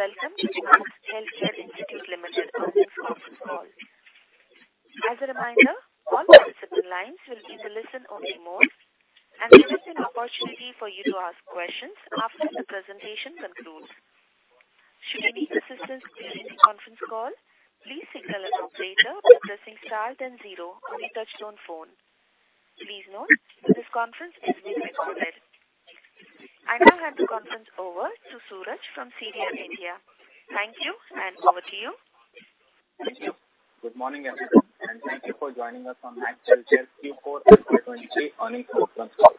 Welcome to Max Healthcare Institute Limited earnings conference call. As a reminder, all participant lines will be in the listen-only mode, and there is an opportunity for you to ask questions after the presentation concludes. Should you need assistance during the conference call, please signal an operator by pressing star then 0 on your touchtone phone. Please note that this conference is being recorded. I now hand the conference over to Suraj from CDR India. Thank you. Over to you. Thank you. Good morning, everyone, and thank you for joining us on Max Healthcare's Q4 2023 earnings conference call.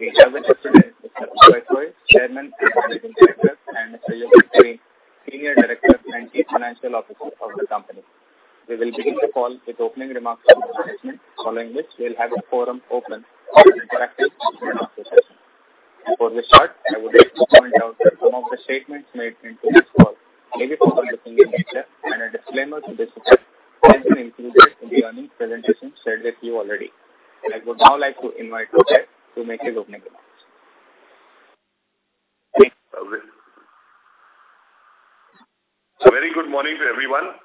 We have with us today Mr. Abhay Soi, Chairman and Managing Director, and Mr. Yogesh Sareen, Senior Director and Chief Financial Officer of the company. We will begin the call with opening remarks from the management, following which we'll have the forum open for an interactive Q&A session. Before we start, I would like to point out that some of the statements made into this call may be forward-looking in nature and a disclaimer to this effect has been included in the earnings presentation shared with you already. I would now like to invite Mr. Soi to make his opening remarks. A very good morning to everyone.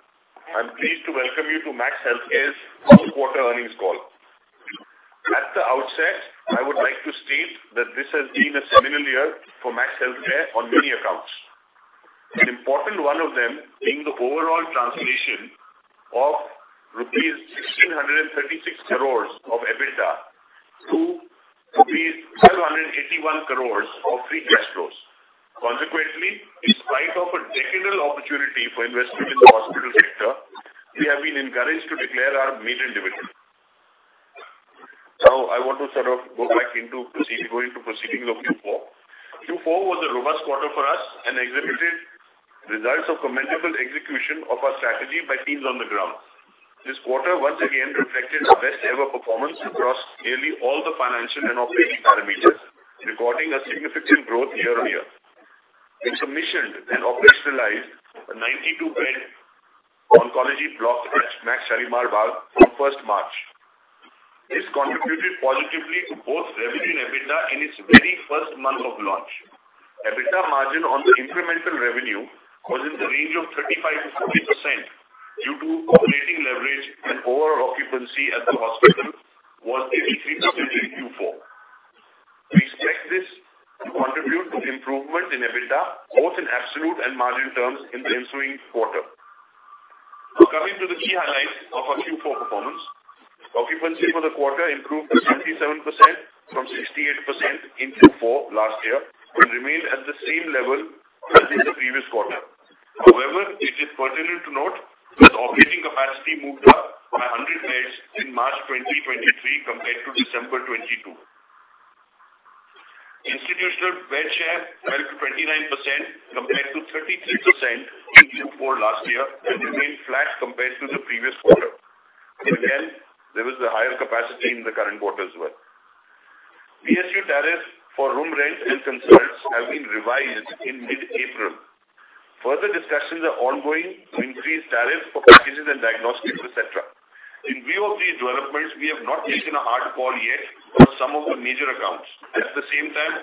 I'm pleased to welcome you to Max Healthcare's fourth quarter earnings call. At the outset, I would like to state that this has been a seminal year for Max Healthcare on many accounts. An important one of them being the overall translation of rupees 1,636 crores of EBITDA to rupees 781 crores of free cash flows. In spite of a decadal opportunity for investment in the hospital sector, we have been encouraged to declare our maiden dividend. I want to sort of go back into proceedings of Q4. Q4 was a robust quarter for us and exhibited results of commendable execution of our strategy by teams on the ground. This quarter once again reflected our best ever performance across nearly all the financial and operating parameters, recording a significant growth year-on-year. We commissioned and operationalized a 92-bed oncology block at Max Shalimar Bagh on first March. This contributed positively to both revenue and EBITDA in its very first month of launch. EBITDA margin on the incremental revenue was in the range of 35%-40% due to operating leverage and overall occupancy at the hospital was 83% in Q4. We expect this to contribute to the improvement in EBITDA both in absolute and margin terms in the ensuing quarter. Coming to the key highlights of our Q4 performance. Occupancy for the quarter improved to 67% from 68% in Q4 last year, but remained at the same level as in the previous quarter. However, it is pertinent to note that operating capacity moved up by 100 beds in March 2023 compared to December 2022. Institutional bed share fell to 29% compared to 33% in Q4 last year and remained flat compared to the previous quarter. There was a higher capacity in the current quarter as well. PSU tariff for room rent and consults have been revised in mid-April. Discussions are ongoing to increase tariff for packages and diagnostics, etc. In view of these developments, we have not taken a hard call yet on some of the major accounts.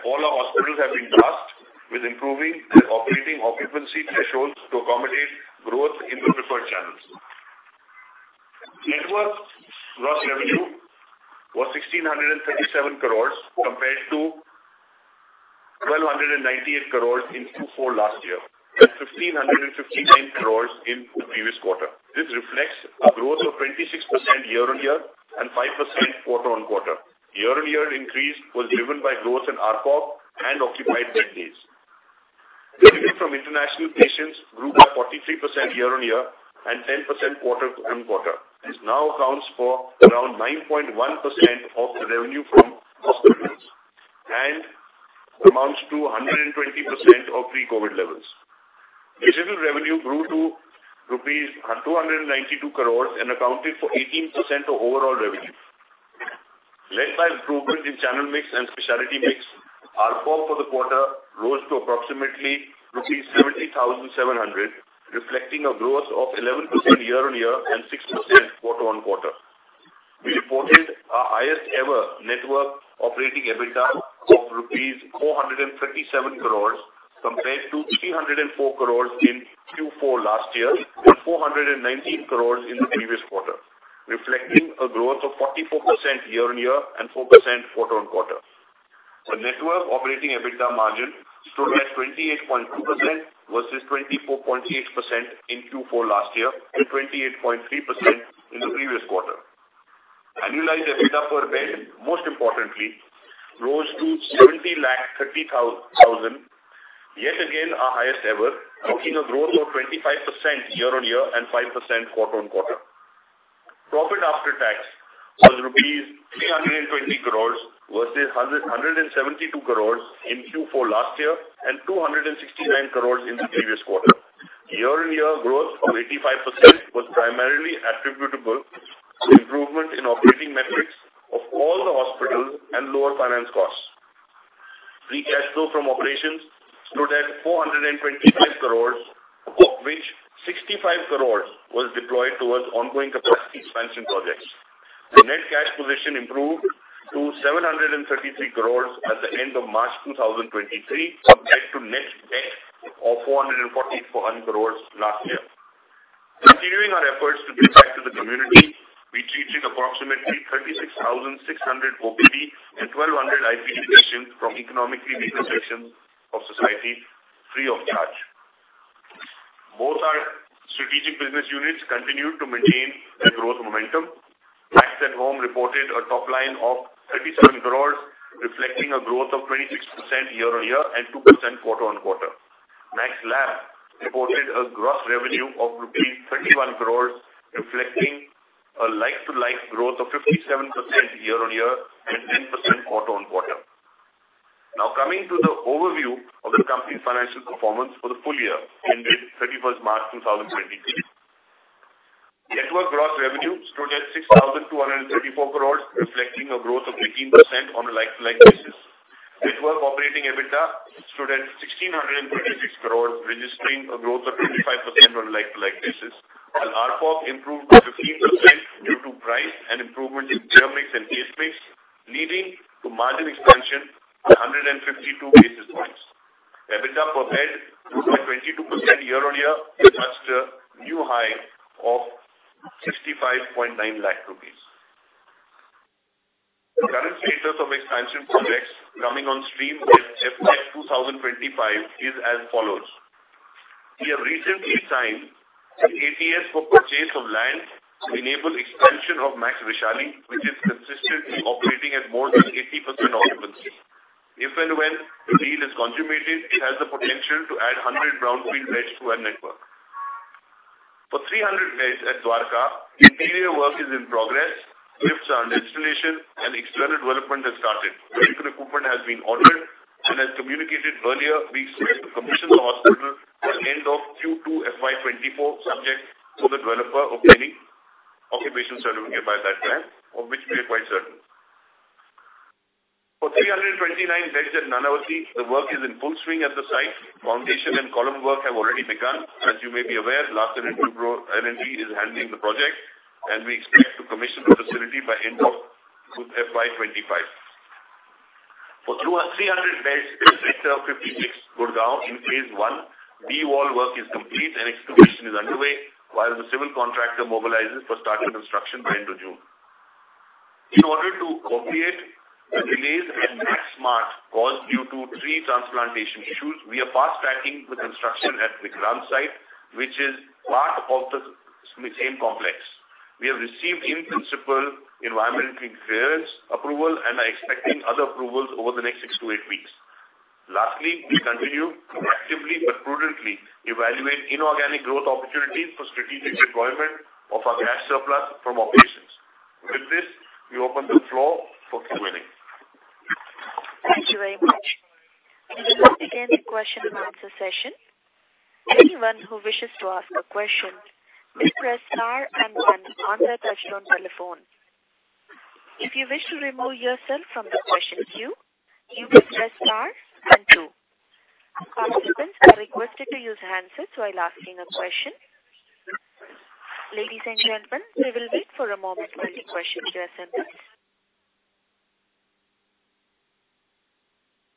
All our hospitals have been tasked with improving their operating occupancy thresholds to accommodate growth in the preferred channels. Network gross revenue was 1,637 crores compared to 1,298 crores in Q4 last year and 1,559 crores in the previous quarter. This reflects a growth of 26% year-on-year and 5% quarter-on-quarter. Year-on-year increase was driven by growth in ARPOB and occupied bed days. Revenue from international patients grew by 43% year-on-year and 10% quarter-on-quarter. This now accounts for around 9.1% of the revenue from hospitals and amounts to 120% of pre-COVID levels. Digital revenue grew to rupees 292 crores and accounted for 18% of overall revenue. Led by improvement in channel mix and specialty mix, ARPOB for the quarter rose to approximately rupees 77,700, reflecting a growth of 11% year-on-year and 6% quarter-on-quarter. We reported our highest ever network operating EBITDA of 437 crores rupees compared to 304 crores in Q4 last year and 419 crores in the previous quarter, reflecting a growth of 44% year-on-year and 4% quarter-on-quarter. The network operating EBITDA margin stood at 28.2% versus 24.8% in Q4 last year and 28.3% in the previous quarter. Annualized EBITDA per bed, most importantly, rose to 70.30 lakh, yet again our highest ever, noting a growth of 25% year-on-year and 5% quarter-on-quarter. Profit after tax was rupees 320 crores versus 172 crores in Q4 last year and 269 crores in the previous quarter. Year-on-year growth of 85% was primarily attributable to improvement in operating metrics of all the hospitals and lower finance costs. Free cash flow from operations stood at 425 crores. 55 crores was deployed towards ongoing capacity expansion projects. The net cash position improved to 733 crores at the end of March 2023 compared to net debt of 440 400 crores last year. Continuing our efforts to give back to the community, we treated approximately 36,600 OPD and 1,200 IP patients from economically weaker sections of society free of charge. Both our strategic business units continued to maintain their growth momentum. Max@Home reported a top line of 37 crores, reflecting a growth of 26% year-on-year and 2% quarter-on-quarter. Max Lab reported a gross revenue of rupees 31 crores, reflecting a like-to-like growth of 57% year-on-year and 10% quarter-on-quarter. Coming to the overview of the company's financial performance for the full year ended 31st March 2023. Network gross revenue stood at 6,234 crores, reflecting a growth of 13% on a like-to-like basis. Network operating EBITDA stood at 1,626 crores, registering a growth of 25% on a like-to-like basis. While ARPOB improved by 15% due to price and improvement in mix and case mix, leading to margin expansion by 152 basis points. EBITDA per bed grew by 22% year-on-year to touch a new high of 65.9 lakh rupees. Current status of expansion projects coming on stream by FY 2025 is as follows: We have recently signed an ATS for purchase of land to enable expansion of Max Vaishali, which is consistently operating at more than 80% occupancy. If and when the deal is consummated, it has the potential to add 100 brownfield beds to our network. For 300 beds at Dwarka, interior work is in progress, lifts are under installation and external development has started. Medical equipment has been ordered. As communicated earlier, we expect to commission the hospital by end of Q2 FY 2024 subject to the developer obtaining occupation certificate by that time, of which we are quite certain. For 329 beds at Nanavati, the work is in full swing at the site. Foundation and column work have already begun. As you may be aware, Larsen & Toubro L&T is handling the project, and we expect to commission the facility by end of FY25. For 300 beds Phase Three at Sector 56, Gurugram in Phase 1, de-wall work is complete and excavation is underway while the civil contractor mobilizes for start of construction by end of June. In order to compensate the delays at Max Smart caused due to tree transplantation issues, we are fast-tracking the construction at the Gurugram site, which is part of the same complex. We have received in-principle environmental clearance approval and are expecting other approvals over the next 6-8 weeks. Lastly, we continue to actively but prudently evaluate inorganic growth opportunities for strategic deployment of our cash surplus from operations. With this, we open the floor for Q&A. Thank you very much. We will now begin the question and answer session. Anyone who wishes to ask a question may press star and then on the touchtone telephone. If you wish to remove yourself from the question queue, you may press star and 2. Participants are requested to use handsets while asking a question. Ladies and gentlemen, we will wait for a moment while the questions are sent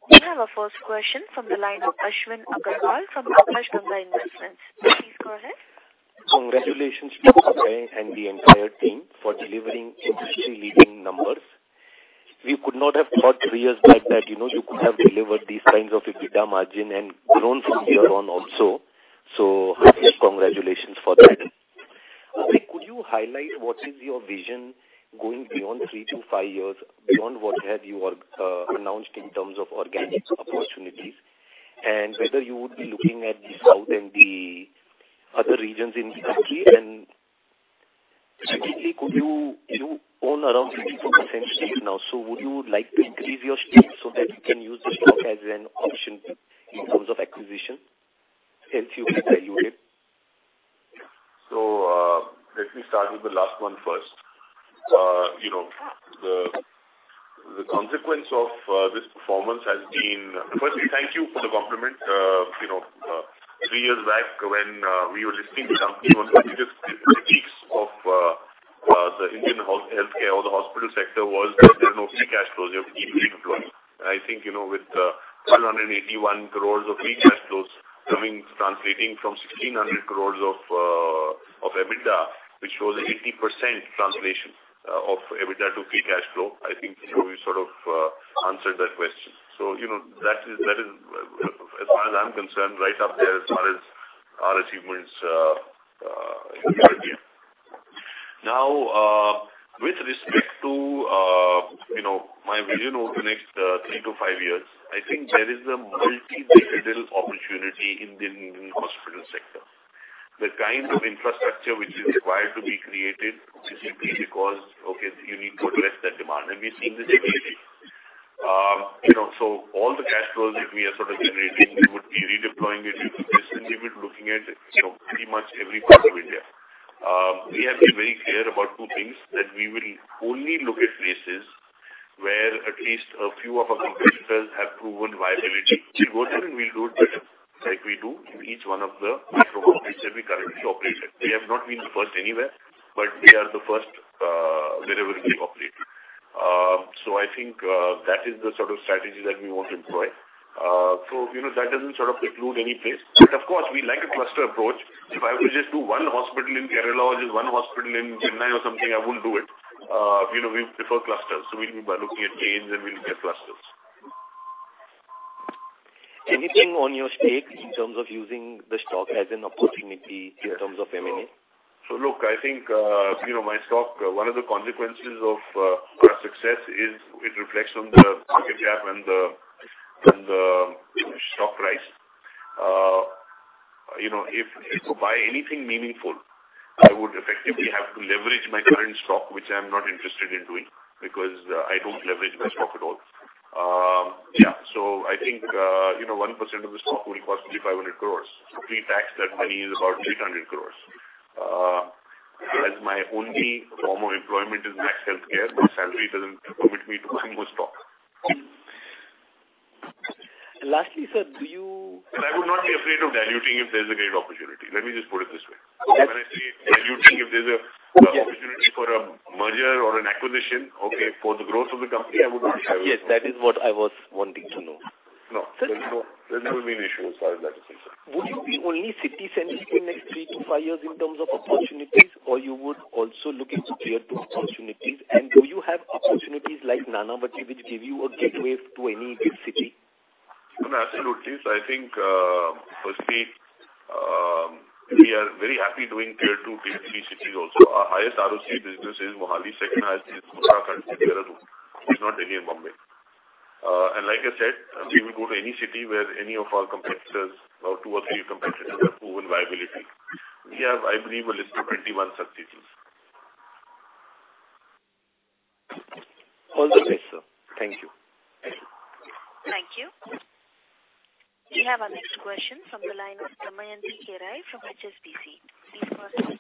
in. We have our first question from the line of Ashwin Agarwal from Akash Ganga Investments. Please go ahead. Congratulations to Abhay and the entire team for delivering industry leading numbers. We could not have thought 3 years back that, you know, you could have delivered these kinds of EBITDA margin and grown from here on also. Highest congratulations for that. Abhay, could you highlight what is your vision going beyond 3-5 years, beyond what have you announced in terms of organic opportunities? Whether you would be looking at the South and the other regions in the country. Secondly, you own around 54% shares now. Would you like to increase your stake so that you can use the stock as an option in terms of acquisition to help you evaluate? Let me start with the last one first. You know, the consequence of this performance has been. Firstly, thank you for the compliment. You know, three years back when we were listing the company of the Indian health, healthcare or the hospital sector was that there was no free cash flow. You have to keep redeploying. I think, you know, with 181 crores of free cash flows coming, translating from 1,600 crores of EBITDA, which was 80% translation of EBITDA to free cash flow, I think we sort of answered that question. You know, that is, that is, as far as I'm concerned, right up there as far as our achievements. Now, with respect to, you know, my vision over the next 3 to 5 years, I think there is a $ multi-billion opportunity in the Indian hospital sector. The kind of infrastructure which is required to be created simply because, okay, you need to address that demand. We're seeing this every day. You know, all the cash flows that we are sort of generating, we would be redeploying it into this. We've been looking at, you know, pretty much every project. We have been very clear about 2 things that we will only look at places where at least a few of our competitors have proven viability. We go there and we'll do it better like we do in each one of the metro markets that we currently operate in. We have not been first anywhere, but we are the first, wherever we operate. I think, that is the sort of strategy that we want to employ. You know, that doesn't sort of include any place. Of course we like a cluster approach. If I were to just do one hospital in Kerala or just one hospital in Chennai or something, I wouldn't do it. You know, we prefer clusters, so we'll be looking at chains and we'll get clusters. Anything on your stake in terms of using the stock as an opportunity in terms of M&A? Look, I think, you know, my stock, one of the consequences of our success is it reflects on the market cap and the, and the stock price. You know, if to buy anything meaningful, I would effectively have to leverage my current stock, which I'm not interested in doing because, I don't leverage my stock at all. I think, you know, 1% of the stock would cost me 500 crores. Pre-tax that money is about 300 crores. As my only form of employment is Max Healthcare, the salary doesn't permit me to buy more stock. lastly, sir, do you... I would not be afraid of diluting if there's a great opportunity. Let me just put it this way. Okay. When I say diluting, if there's a opportunity for a merger or an acquisition, okay, for the growth of the company, I would not shy away from it. Yes, that is what I was wanting to know. There's never been an issue as far as that is concerned. Would you be only city-centric in next 3-5 years in terms of opportunities or you would also look into tier two opportunities? Do you have opportunities like Nanavati which give you a gateway to any big city? No, absolutely. I think, firstly, we are very happy doing tier two, tier three cities also. Our highest ROC business is Mohali. Second highest is Kolkata and Dehradun. It's not Delhi and Mumbai. Like I said, we will go to any city where any of our competitors or two or three competitors have proven viability. We have, I believe, a list of 21 such cities. All the best, sir. Thank you. Thank you. Thank you. We have our next question from the line of Damayanti Karai from HSBC. Please go ahead.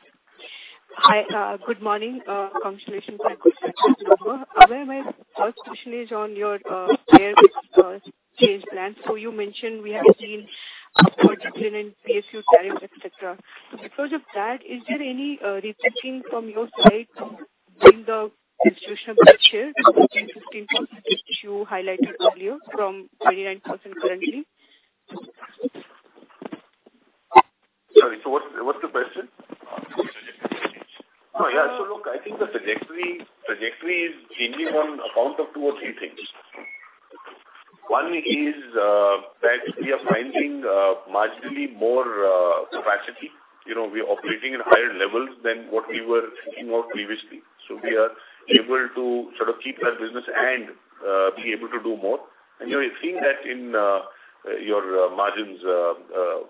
Hi, good morning. Congratulations on a good quarter, Mr. Grover. Where my first question is on your care change plan. You mentioned we have seen a decline in PSU tariffs, et cetera. Because of that, is there any rethinking from your side in the institutional bed share from 15%, which you highlighted earlier, from 29% currently? Sorry, so what's the question? Yeah. Look, I think the trajectory is changing on account of two or three things. One is that we are finding marginally more capacity. You know, we're operating in higher levels than what we were thinking of previously. We are able to sort of keep that business and be able to do more. You are seeing that in your margins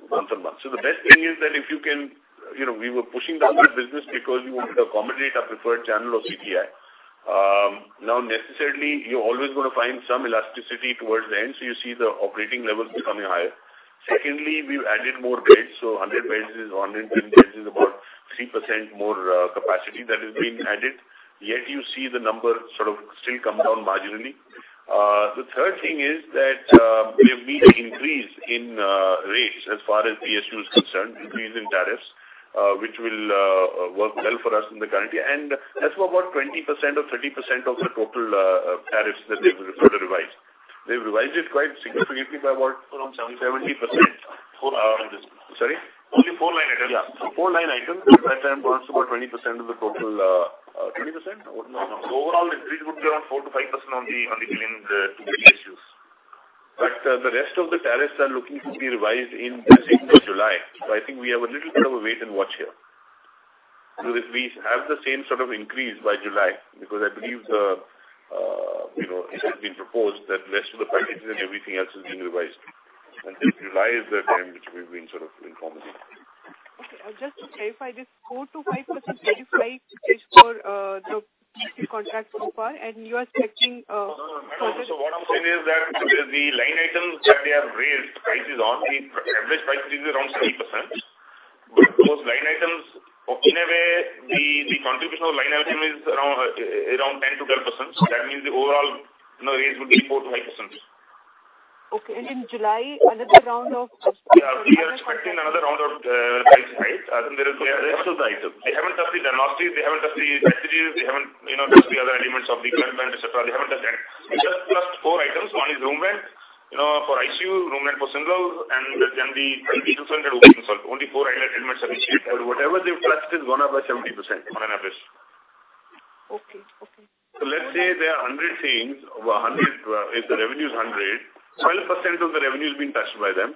month on month. The best thing is that if you can... You know, we were pushing down that business because we wanted to accommodate our preferred channel of CTI. Now necessarily you're always gonna find some elasticity towards the end, so you see the operating levels becoming higher. Secondly, we've added more beds. 100 beds is 110 beds is about 3% more capacity that is being added, yet you see the number sort of still come down marginally. The third thing is that we have seen an increase in rates as far as PSU is concerned, increase in tariffs, which will work well for us in the current year. That's about 20% or 30% of the total tariffs that they've sort of revised. They've revised it quite significantly by about. Around 70%. Sorry? Only four line items. Yeah. Four line items, but that accounts for about 20% of the total, 20%? No, no. Overall increase would be around 4%-5% on the million to PSU. The rest of the tariffs are looking to be revised in the second of July. I think we have a little bit of a wait and watch here. If we have the same sort of increase by July, because I believe the, you know, it has been proposed that rest of the packages and everything else is being revised. July is the time which we've been sort of informed about. Okay. Just to clarify, this 4%-5% 30 flight is for the PC contract so far. You are expecting. No, no. What I'm saying is that the line items that they have raised prices on, the average price increase is around 70%. Those line items... In a way the contribution of line item is around 10%-12%. That means the overall, you know, raise would be 4%-5%. Okay. In July, another round of. Yeah. We are expecting another round of price hike. I think there is items. They haven't touched the diagnostics, they haven't touched the batteries, they haven't, you know, touched the other elements of the equipment, et cetera. They haven't done that. They just touched 4 items. One is room rent, you know, for ICU, room rent for single and then the only 4 item elements have been changed. Whatever they've touched is gone up by 70% on an average. Okay. Okay. Let's say there are 100 things or a 100, if the revenue is 100, 12% of the revenue has been touched by them.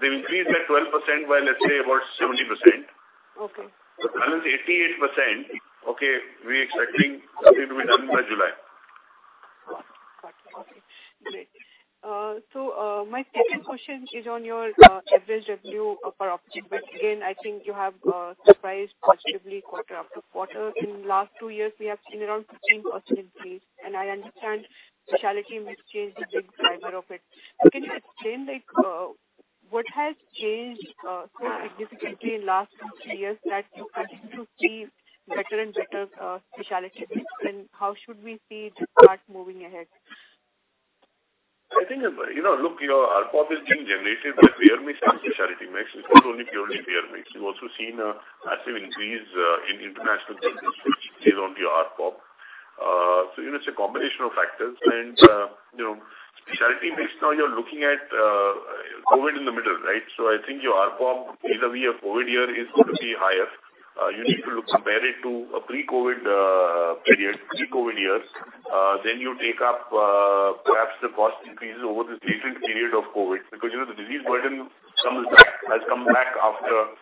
They've increased that 12% by, let's say about 70%. Okay. The balance 88%, okay, we're expecting that it'll be done by July. Got it. Got it. Okay, great. My second question is on your, average revenue per occupant. Again, I think you have surprised positively quarter after quarter. In last 2 years, we have seen around 15% increase, and I understand specialty mix change is a big driver of it. Can you explain like, what has changed so significantly in last 2, 3 years that you continue to see better and better, specialty mix? How should we see this part moving ahead? I think, you know, look, your ARPOB is being generated with payer mix and specialty mix. It's not only purely payer mix. You've also seen a massive increase in international business, which plays on to your ARPOB. You know, it's a combination of factors. You know, specialty mix, now you're looking at COVID in the middle, right? I think your ARPOB vis-a-vis a COVID year is going to be higher. You need to compare it to a pre-COVID period, pre-COVID years. Then you take up perhaps the cost increases over this recent period of COVID because, you know, the disease burden has come back after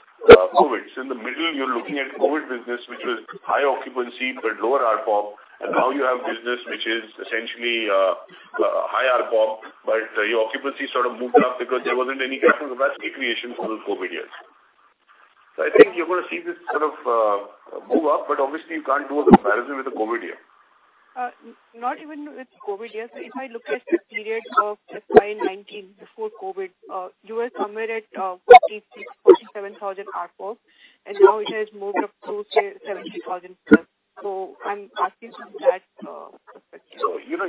COVID. In the middle you're looking at COVID business, which was high occupancy but lower ARPOB. Now you have business which is essentially high ARPOB, but your occupancy sort of moved up because there wasn't any capacity creation for those COVID years. I think you're gonna see this sort of move up, but obviously you can't do the comparison with the COVID year. Not even with COVID year. If I look at the period of just 2019 before COVID, you were somewhere at, 56, 47,000 ARPOB, and now it has moved up to 70,000+. I'm asking from that perspective. you know,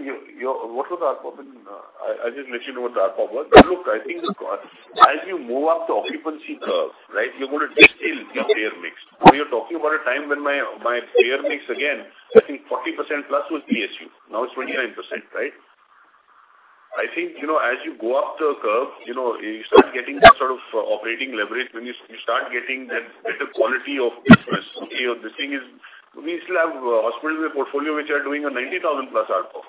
What was ARPOB in? I just mentioned what the ARPOB was. Look, I think as you move up the occupancy curve, right, you're gonna distil your payer mix. you're talking about a time when my payer mix again, I think 40%+ was PSU, now it's 29%, right? you know, as you go up the curve, you know, you start getting that sort of operating leverage. When you start getting that better quality of patient. Okay. The thing is we still have hospitals in the portfolio which are doing an INR 90,000+ ARPOB.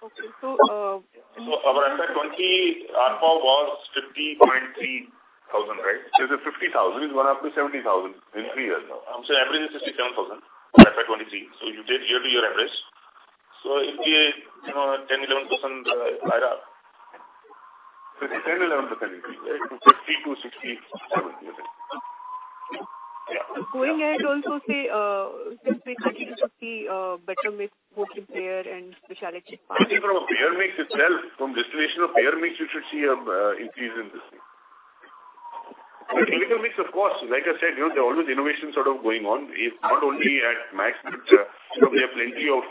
Okay. Our FY20 ARPOB was INR 50.3 thousand, right? It was at 50,000. It's gone up to 70,000 in three years now. I'm saying average is INR 67,000 for FY23. You take year-to-year average. It'll be, you know, 10%, 11% higher. 10, 11% increase. Right. 50-67. Yeah. Going ahead also say, this mixture should see better mix both in payer and specialty part. I think from a payer mix itself, from distribution of payer mix, you should see increase in this thing. The clinical mix, of course, like I said, you know, there are always innovations sort of going on, not only at Max, but, you know, there are plenty of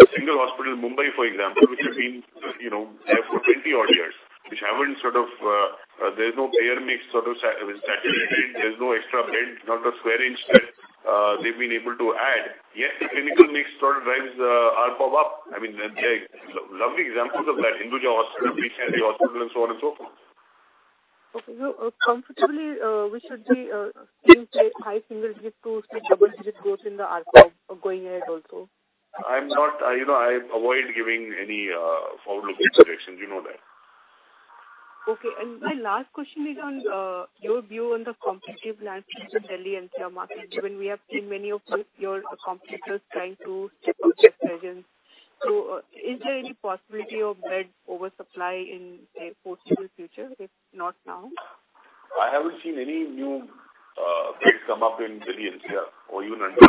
a single hospital in Mumbai, for example, which have been, you know, there for 20-odd years, which haven't sort of, there's no payer mix sort of saturated. There's no extra bed, not a square inch that they've been able to add. Yet the clinical mix sort of drives the ARPOB up. I mean, there are lovely examples of that, Hinduja Hospital, Breach Candy Hospital, and so on and so forth. Okay. Comfortably, we should be seeing high single digit to double-digit growth in the ARPOB going ahead also. You know, I avoid giving any forward-looking projections. You know that. Okay. My last question is on your view on the competitive landscape in Delhi NCR market, given we have seen many of your competitors trying to set up their presence. Is there any possibility of bed oversupply in a foreseeable future, if not now? I haven't seen any new beds come up in Delhi NCR or even under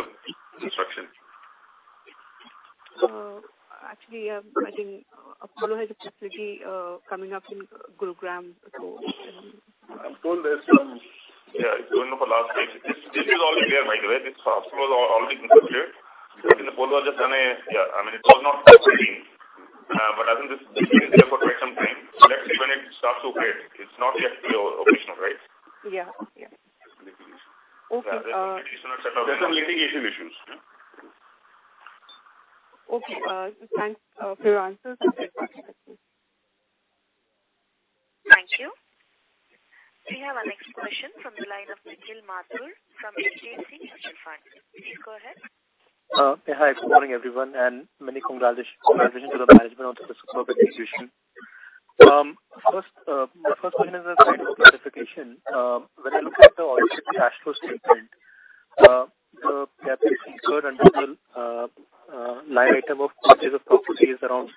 construction. Actually, I think Apollo Hospitals has a facility coming up in Gurugram. Apollo there's. Yeah, it's going up a large space. This is already there, by the way. This hospital is already considered. Apollo has just done a. Yeah, I mean, it was not functioning. I think this has been there for quite some time. That's when it starts to operate. It's not yet fully operational, right? Yeah. Yeah. There's some litigation. Okay. There are some litigation issues. Yeah. Okay. Thanks for your answers. Thank you. We have our next question from the line of Nikhil Mathur from HDFC Mutual Fund. Please go ahead. Hi. Good morning, everyone, many congratulations to the management on the superb execution. First, my first question is a kind of clarification. When I look at the audited cash flow statement, the capital incurred under the line item of purchase of property is around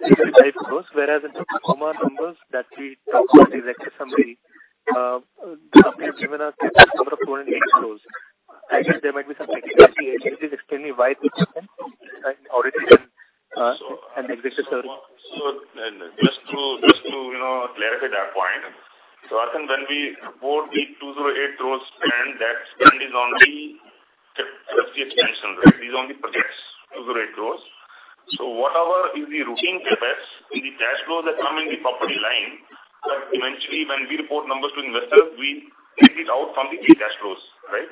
65 crores, whereas in the pro forma numbers that we discussed with investors summary, the company has given a CapEx number of INR 208 crores. I guess there might be some technicality. Can you please explain me why this happened? And just to, you know, clarify that point. I think when we report the 208 crores spend, that spend is on the CapEx expansion, right? These are on the projects, 208 crores. Whatever is the routine CapEx in the cash flows that come in the property line, that eventually when we report numbers to investors, we take it out from the free cash flows, right?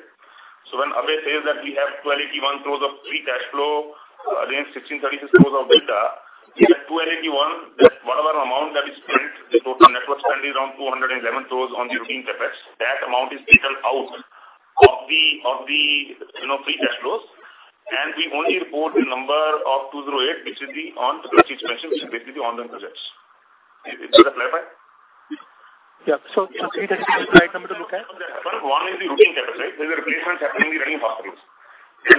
When Abhay says that we have 281 crores of free cash flow against 1,636 crores of delta, in that 281, that whatever amount that is spent, the total net worth spend is around 211 crores on the routine CapEx. That amount is detailed out of the, you know, free cash flows. We only report the number of 208, which is the on CapEx expansion, which is basically on the projects. Does that clarify? Yeah. 208 is the right number to look at. One is the routine CapEx, right? There's a replacement happening in running hospitals.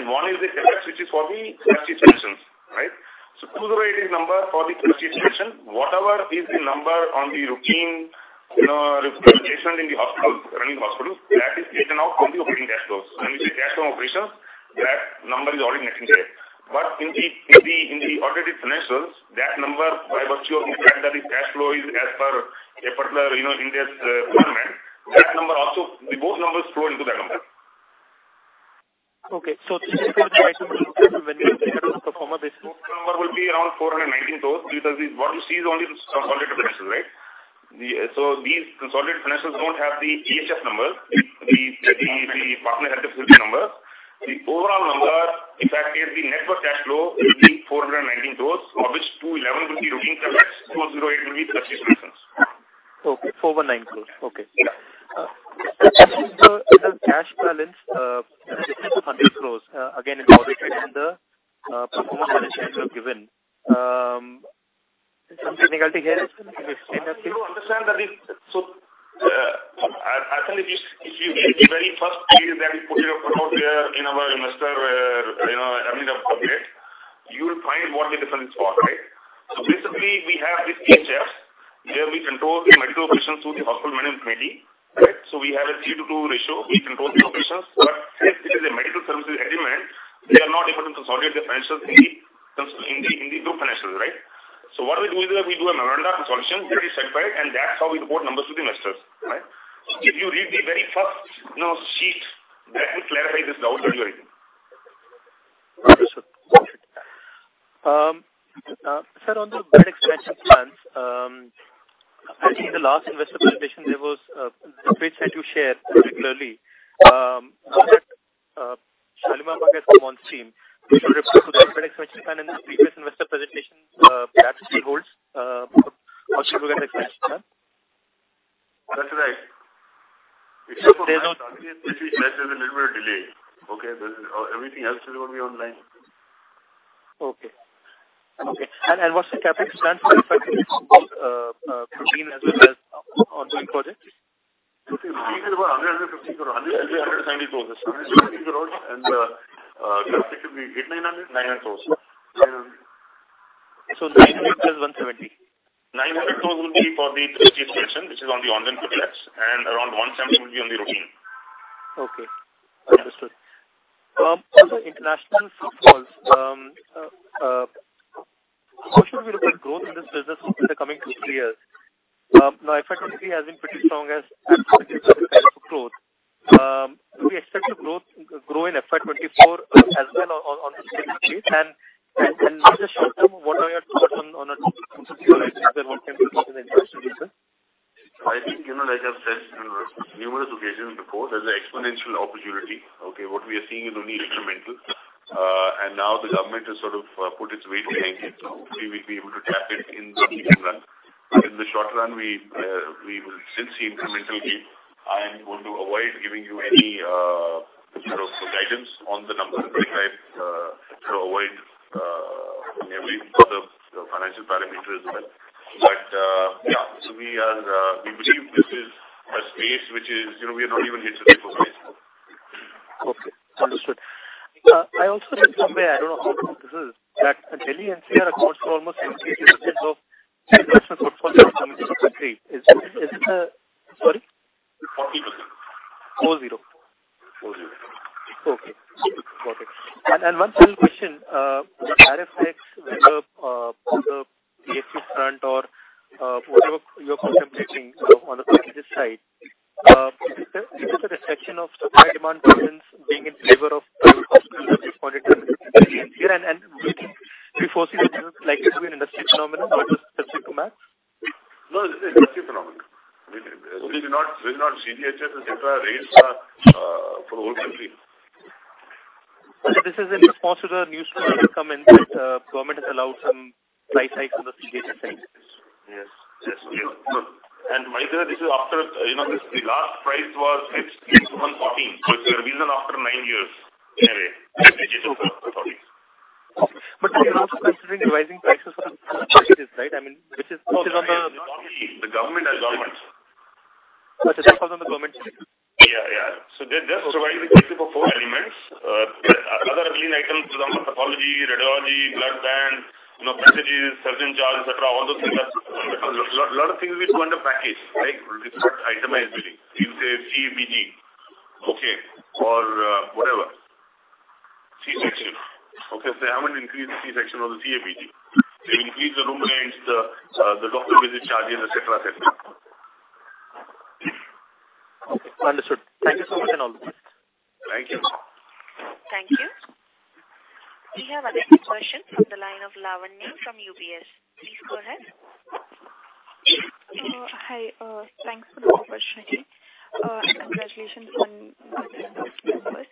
One is the CapEx, which is for the CapEx expansions, right? INR 208 is number for the CapEx expansion. Whatever is the number on the routine, you know, replacement based on in the hospital, running hospital, that is taken off from the operating cash flows. When we say cash flow operations, that number is already next year. In the audited financials, that number by virtue of the fact that the cash flow is as per a particular, you know, Ind AS requirement, that number. Both numbers flow into that number. Okay. When you look at the pro forma, this. Book number will be around INR 419 crores because what you see is only the consolidated financials, right? These consolidated financials don't have the EHS numbers, the partner health facility number. The overall number, in fact, if the network cash flow will be 419 crores, of which 211 will be routine clinics, 208 will be 3G stations. Okay. 419 crores. Okay. Yeah. In the cash balance, difference of INR 100 crore, again, in the audited and the pro forma financial statements you have given. Is some technicality here in that thing? You understand that if actually, if you read the very first page that we put it up on our, you know, our investor, you know, earnings update, you will find what the difference is for, right? Basically we have this EHS. Here we control the medical patients through the hospital management committee, right? We have a 3-to-2 ratio. We control the patients. Since it is a medical services element, they are not able to consolidate their financials in the group financials, right? What we do is that we do a memoranda consultation, we satisfy it, and that's how we report numbers to the investors, right? If you read the very first, you know, sheet, that will clarify this doubt that you're having. Understood. Sir, on the bed expansion plans, I think in the last investor presentation there was the page that you shared particularly. Now that Shalimar Bagh has come on stream, we should refer to the bed expansion plan in the previous investor presentation, perhaps still holds for upcoming bed expansion plan. That's right. They're not- There's a little bit of delay. Okay. The everything else will be online. Okay. Okay. What's the CapEx plan for the five new, routine as well as ongoing projects? Routine is about INR 100, INR 115 crore. INR 190 crores. INR 190 crores. capacity could be INR 800, INR 900 crores. 900 plus 170. 900 crores will be for the Saket extension, which is on the ongoing projects, and around 170 will be on the routine. Okay. Understood. On the international footfalls, how should we look at growth in this business over the coming 2, 3 years? Now FY 2023 has been pretty strong as compared to growth. Do we expect the growth grow in FY 2024 as well on the same pace? Just short term, what are your thoughts on what can be done in the international business? I think, you know, like I've said on numerous occasions before, there's an exponential opportunity, okay. What we are seeing is only incremental. Now the government has sort of put its weight behind it, so hopefully we'll be able to tap it in the medium run. In the short run, we will still see incremental gain. I am going to avoid giving you any, you know, guidance on the numbers. I to avoid maybe for the financial parameter as well. Yeah. We are, we believe this is a space which is, you know, we have not even hit the peak of this. Okay. Understood. I also read somewhere, I don't know how true this is, that the Delhi NCR accounts for almost 70% of international footfalls coming to the country. Is this the? 40%. 40. 40. Okay. Got it. One final question. The RFX, whether on the PSU front or whatever you are contemplating on the private side, is this a reflection of supply-demand balance being in favor of the hospitals that responded to the RFX? Do you foresee this likely to be an industry phenomenon, or it was specific to Max? No, this is an industry phenomenon. I mean, this is not, this is not CGHS, et cetera, rates are for the whole country. This is in response to the news story that come in that, government has allowed some price hikes on the CGHS services. Yes. Yes. Yes. Manikanda, this is after, you know, this is the last price was in 2014. It's a revision after 9 years, anyway, at CGHS level, 14. Okay. Are you also considering revising prices for the packages, right? I mean, this is also on. Not we. Governments. Oh, this is also on the government's- Yeah, yeah. They're just providing the basic of four elements. Other lean items, for example, pathology, radiology, blood bank, you know, packages, surgeon charge, et cetera, all those things are. Lot of things we do under package, right? It's not itemized billing. You say CABG, okay, or whatever. C-section. Okay. They haven't increased the C-section or the CABG. They increased the room rents, the doctor visit charges, et cetera, et cetera. Okay. Understood. Thank you so much and all the best. Thank you. Thank you. We have our next question from the line of Lavanya from UBS. Please go ahead. Hi. Thanks for the opportunity. Congratulations on the results, members.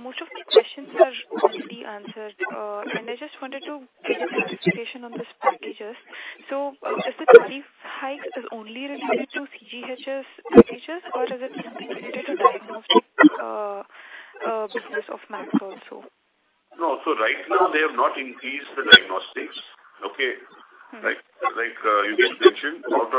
Most of my questions are mostly answered. I just wanted to get your clarification on this packages. Is the price hike is only related to CGHS packages or does it related to diagnostic business of Max also? No. Right now they have not increased the diagnostics. Okay? Mm-hmm. Like Yogesh mentioned, out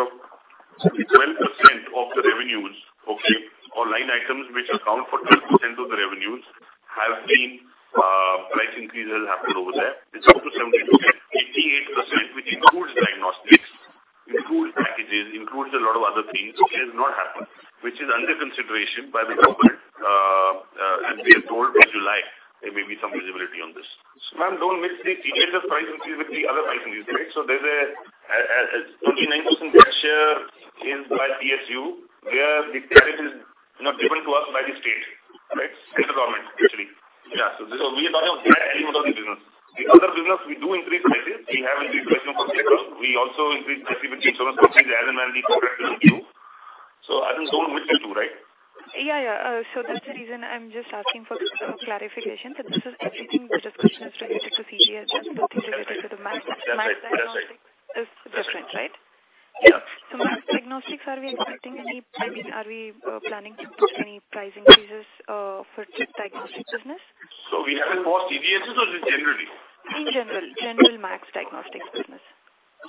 of 12% of the revenues, okay, or line items which account for 12% of the revenues have beenIncrease that will happen over there. It's up to 70%-88%, which includes diagnostics, includes packages, includes a lot of other things, which has not happened, which is under consideration by the government. We are told by July there may be some visibility on this. Ma'am, don't mix the CGHS price increase with the other price increase, right? There's a 29% share is by PSU, where the tariff is, you know, given to us by the State, right? State government, actually. Yeah. This is. We are talking of that element of the business. The other business we do increase prices. We also increase prices as and when we correct them too. I don't mix the two, right? Yeah, yeah. That's the reason I'm just asking for clarification, that this is everything the discussion is related to CGHS, nothing related to the Max-. That side. That side. Max Lab diagnostics is different, right? Yeah. Max Diagnostics, are we expecting any, I mean, are we planning to put any price increases for diagnostics business? We have it for CGHS or just generally? In general. General Max Diagnostics business.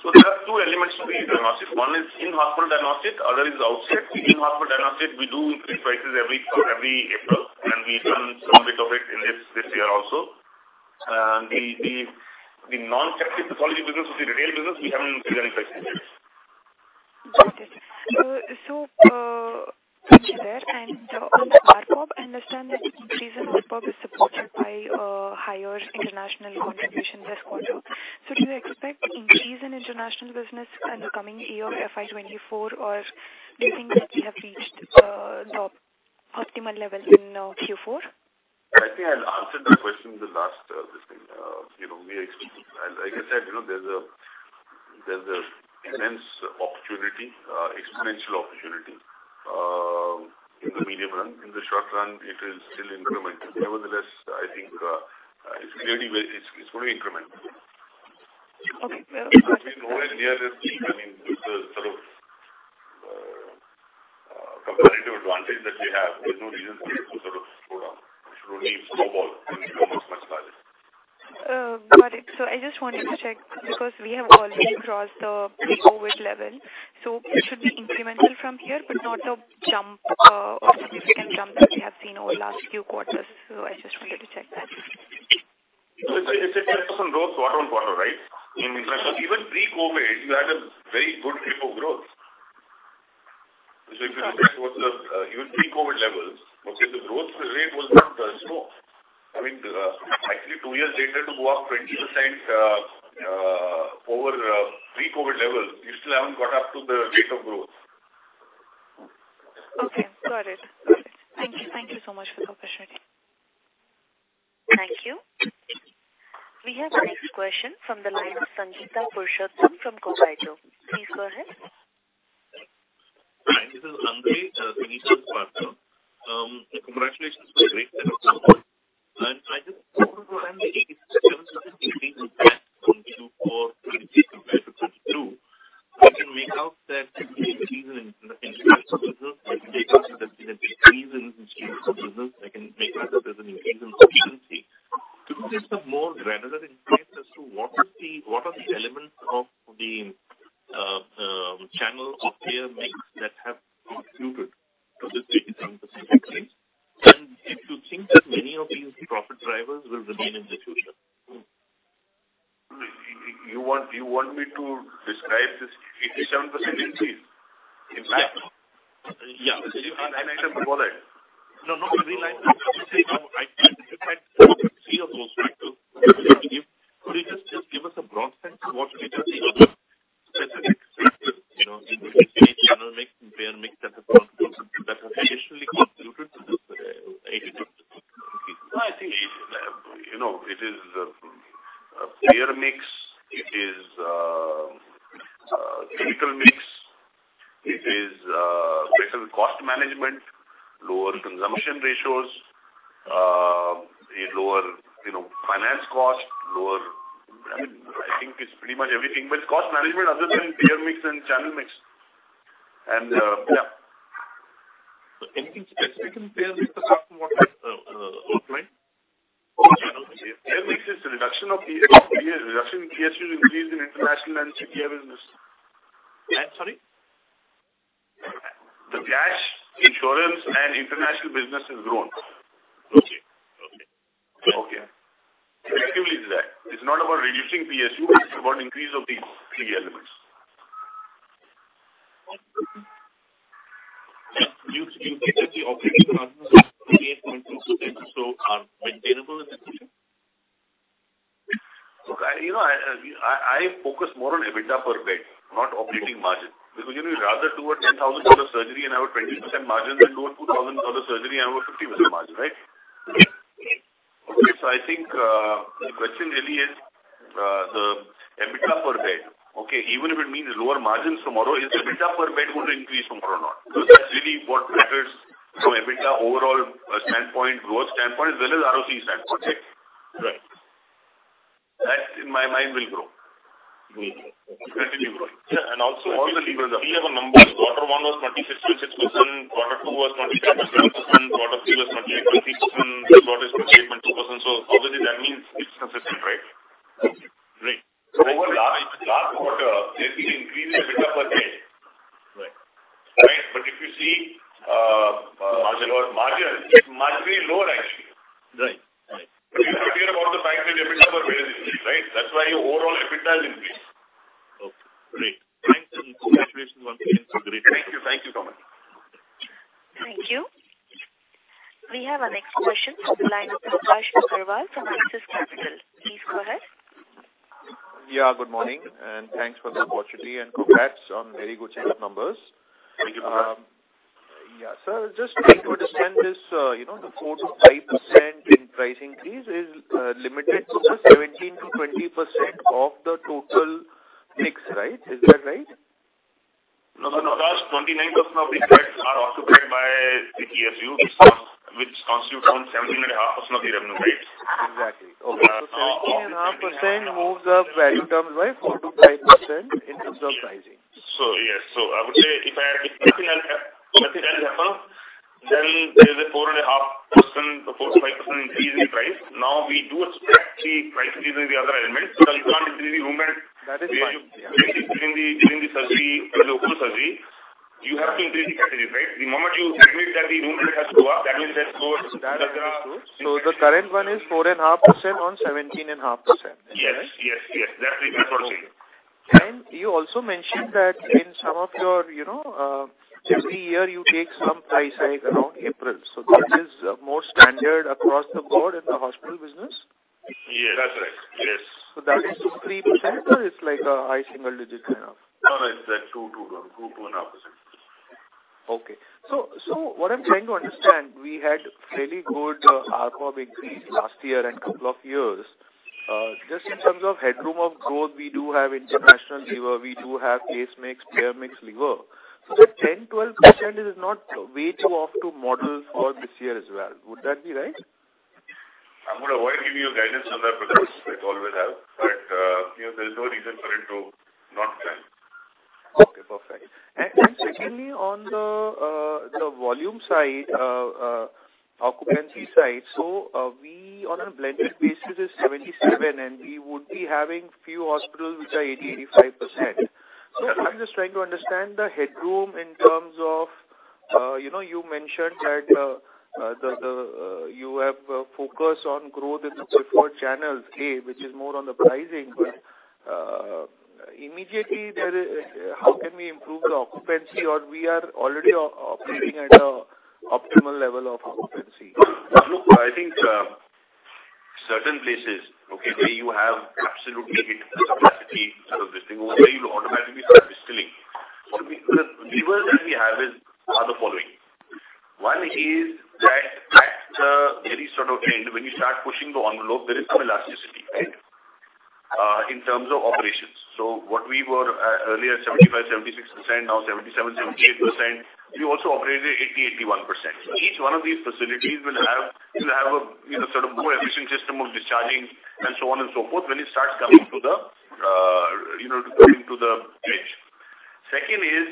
There are two elements to Max Diagnostics. One is in-hospital diagnostic, other is outset. In in-hospital diagnostic, we do increase prices every April, and we done some bit of it in this year also. The non-pathology business or the retail business, we haven't increased any prices. Got it. Thank you there. On the ARPOB, I understand that increase in ARPOB is supported by higher international contribution this quarter. Do you expect increase in international business in the coming year, FY 2024, or do you think that we have reached the optimal level in Q4? I think I answered that question in the last this thing. You know, as I said, you know, there's a immense opportunity, exponential opportunity in the medium run. In the short run it is still incremental. Nevertheless, I think, it's fully incremental. Okay. I mean, nowhere near the peak. I mean, with the sort of, comparative advantage that we have, there's no reason for it to sort of slow down. It should only snowball and grow much, much higher. Got it. I just wanted to check because we have already crossed the pre-COVID level, so it should be incremental from here, but not a jump or significant jump that we have seen over the last few quarters. I just wanted to check that. It's a % growth quarter-on-quarter, right? In fact, even pre-COVID, you had a very good rate of growth. If you look at towards the even pre-COVID levels, okay, the growth rate was not slow. I mean, actually two years later to go up 20%, over pre-COVID levels, you still haven't got up to the rate of growth. Okay. Got it. Thank you. Thank you so much for the opportunity. Thank you. We have the next question from the line, Sanjitha Poovathingal from Cogito Advisors. Please go ahead. Hi, this is Andrei from Cogito Advisors. Congratulations for the great set of numbers. I just from Q4 2023 compared to 2022. I can make out that there is an increase in international business. I can make out that there's an increase in insurance business. I can make out there's an increase in efficiency. Could you give some more granular insights as to what are the elements of the channel or payer mix that have Right. You have to hear about the fact that EBITDA per bed is increased, right? That's why your overall EBITDA is increased. Okay, great. Thanks and congratulations once again. It's a great result. Thank you. Thank you, Thomas. Thank you. We have our next question from the line of Prakash Agarwal from Axis Capital. Please go ahead. Yeah, good morning, thanks for the opportunity and congrats on very good set of numbers. Thank you. Yeah. Just trying to understand this, you know, the 4%-5% in price increase is limited to the 17%-20% of the total mix, right? Is that right? No, no. 29% of the beds are occupied by the PSU, which constitute around 17 and a half percent of the revenue base. Exactly. Okay. 17.5% moves up value terms by 4%-5% in terms of pricing. Yes. I would say if I had, if nothing else nothing else happens, then there's a 4.5% to 4%-5% increase in price. We do expect the price increase in the other elements. You can't increase the room rent. That is fine, yeah. basically during the surgery, during the whole surgery. You have to increase the category, right? The moment you admit that the room rent has to go up, that means there's four That is true. The current one is 4 and half% on 17 and half%. Is that right? Yes. Yes. Yes. That's what I'm saying. You also mentioned that in some of your, you know, every year you take some price hike around April. That is more standard across the board in the hospital business. Yes, that's right. Yes. That is 2%, 3% or it's like a high single-digit kind of? No, no, it's like 2.5%. Okay. What I'm trying to understand, we had fairly good ARPB increase last year and couple of years. Just in terms of headroom of growth, we do have international lever, we do have case mix, payer mix lever. That 10-12% is not way too off to model for this year as well. Would that be right? I'm gonna avoid giving you a guidance on that because it's always hard. You know, there's no reason for it to not happen. Okay, perfect. Secondly, on the volume side, occupancy side, we on a blended basis is 77%, and we would be having few hospitals which are 80-85%. I'm just trying to understand the headroom in terms of, you know, you mentioned that the, you have a focus on growth in the preferred channels, A, which is more on the pricing. Immediately there is. How can we improve the occupancy or we are already operating at an optimal level of occupancy? Look, I think, certain places, okay, where you have absolutely hit the capacity sort of thing, where you automatically start distilling. The levers that we have is, are the following. One is that at the very sort of end, when you start pushing the envelope, there is some elasticity, right? in terms of operations. What we were earlier 75%-76%, now 77%-78%. We also operate at 80%-81%. Each one of these facilities will have a, you know, sort of more efficient system of discharging and so on and so forth when it starts coming to the, you know, coming to the edge. Second is,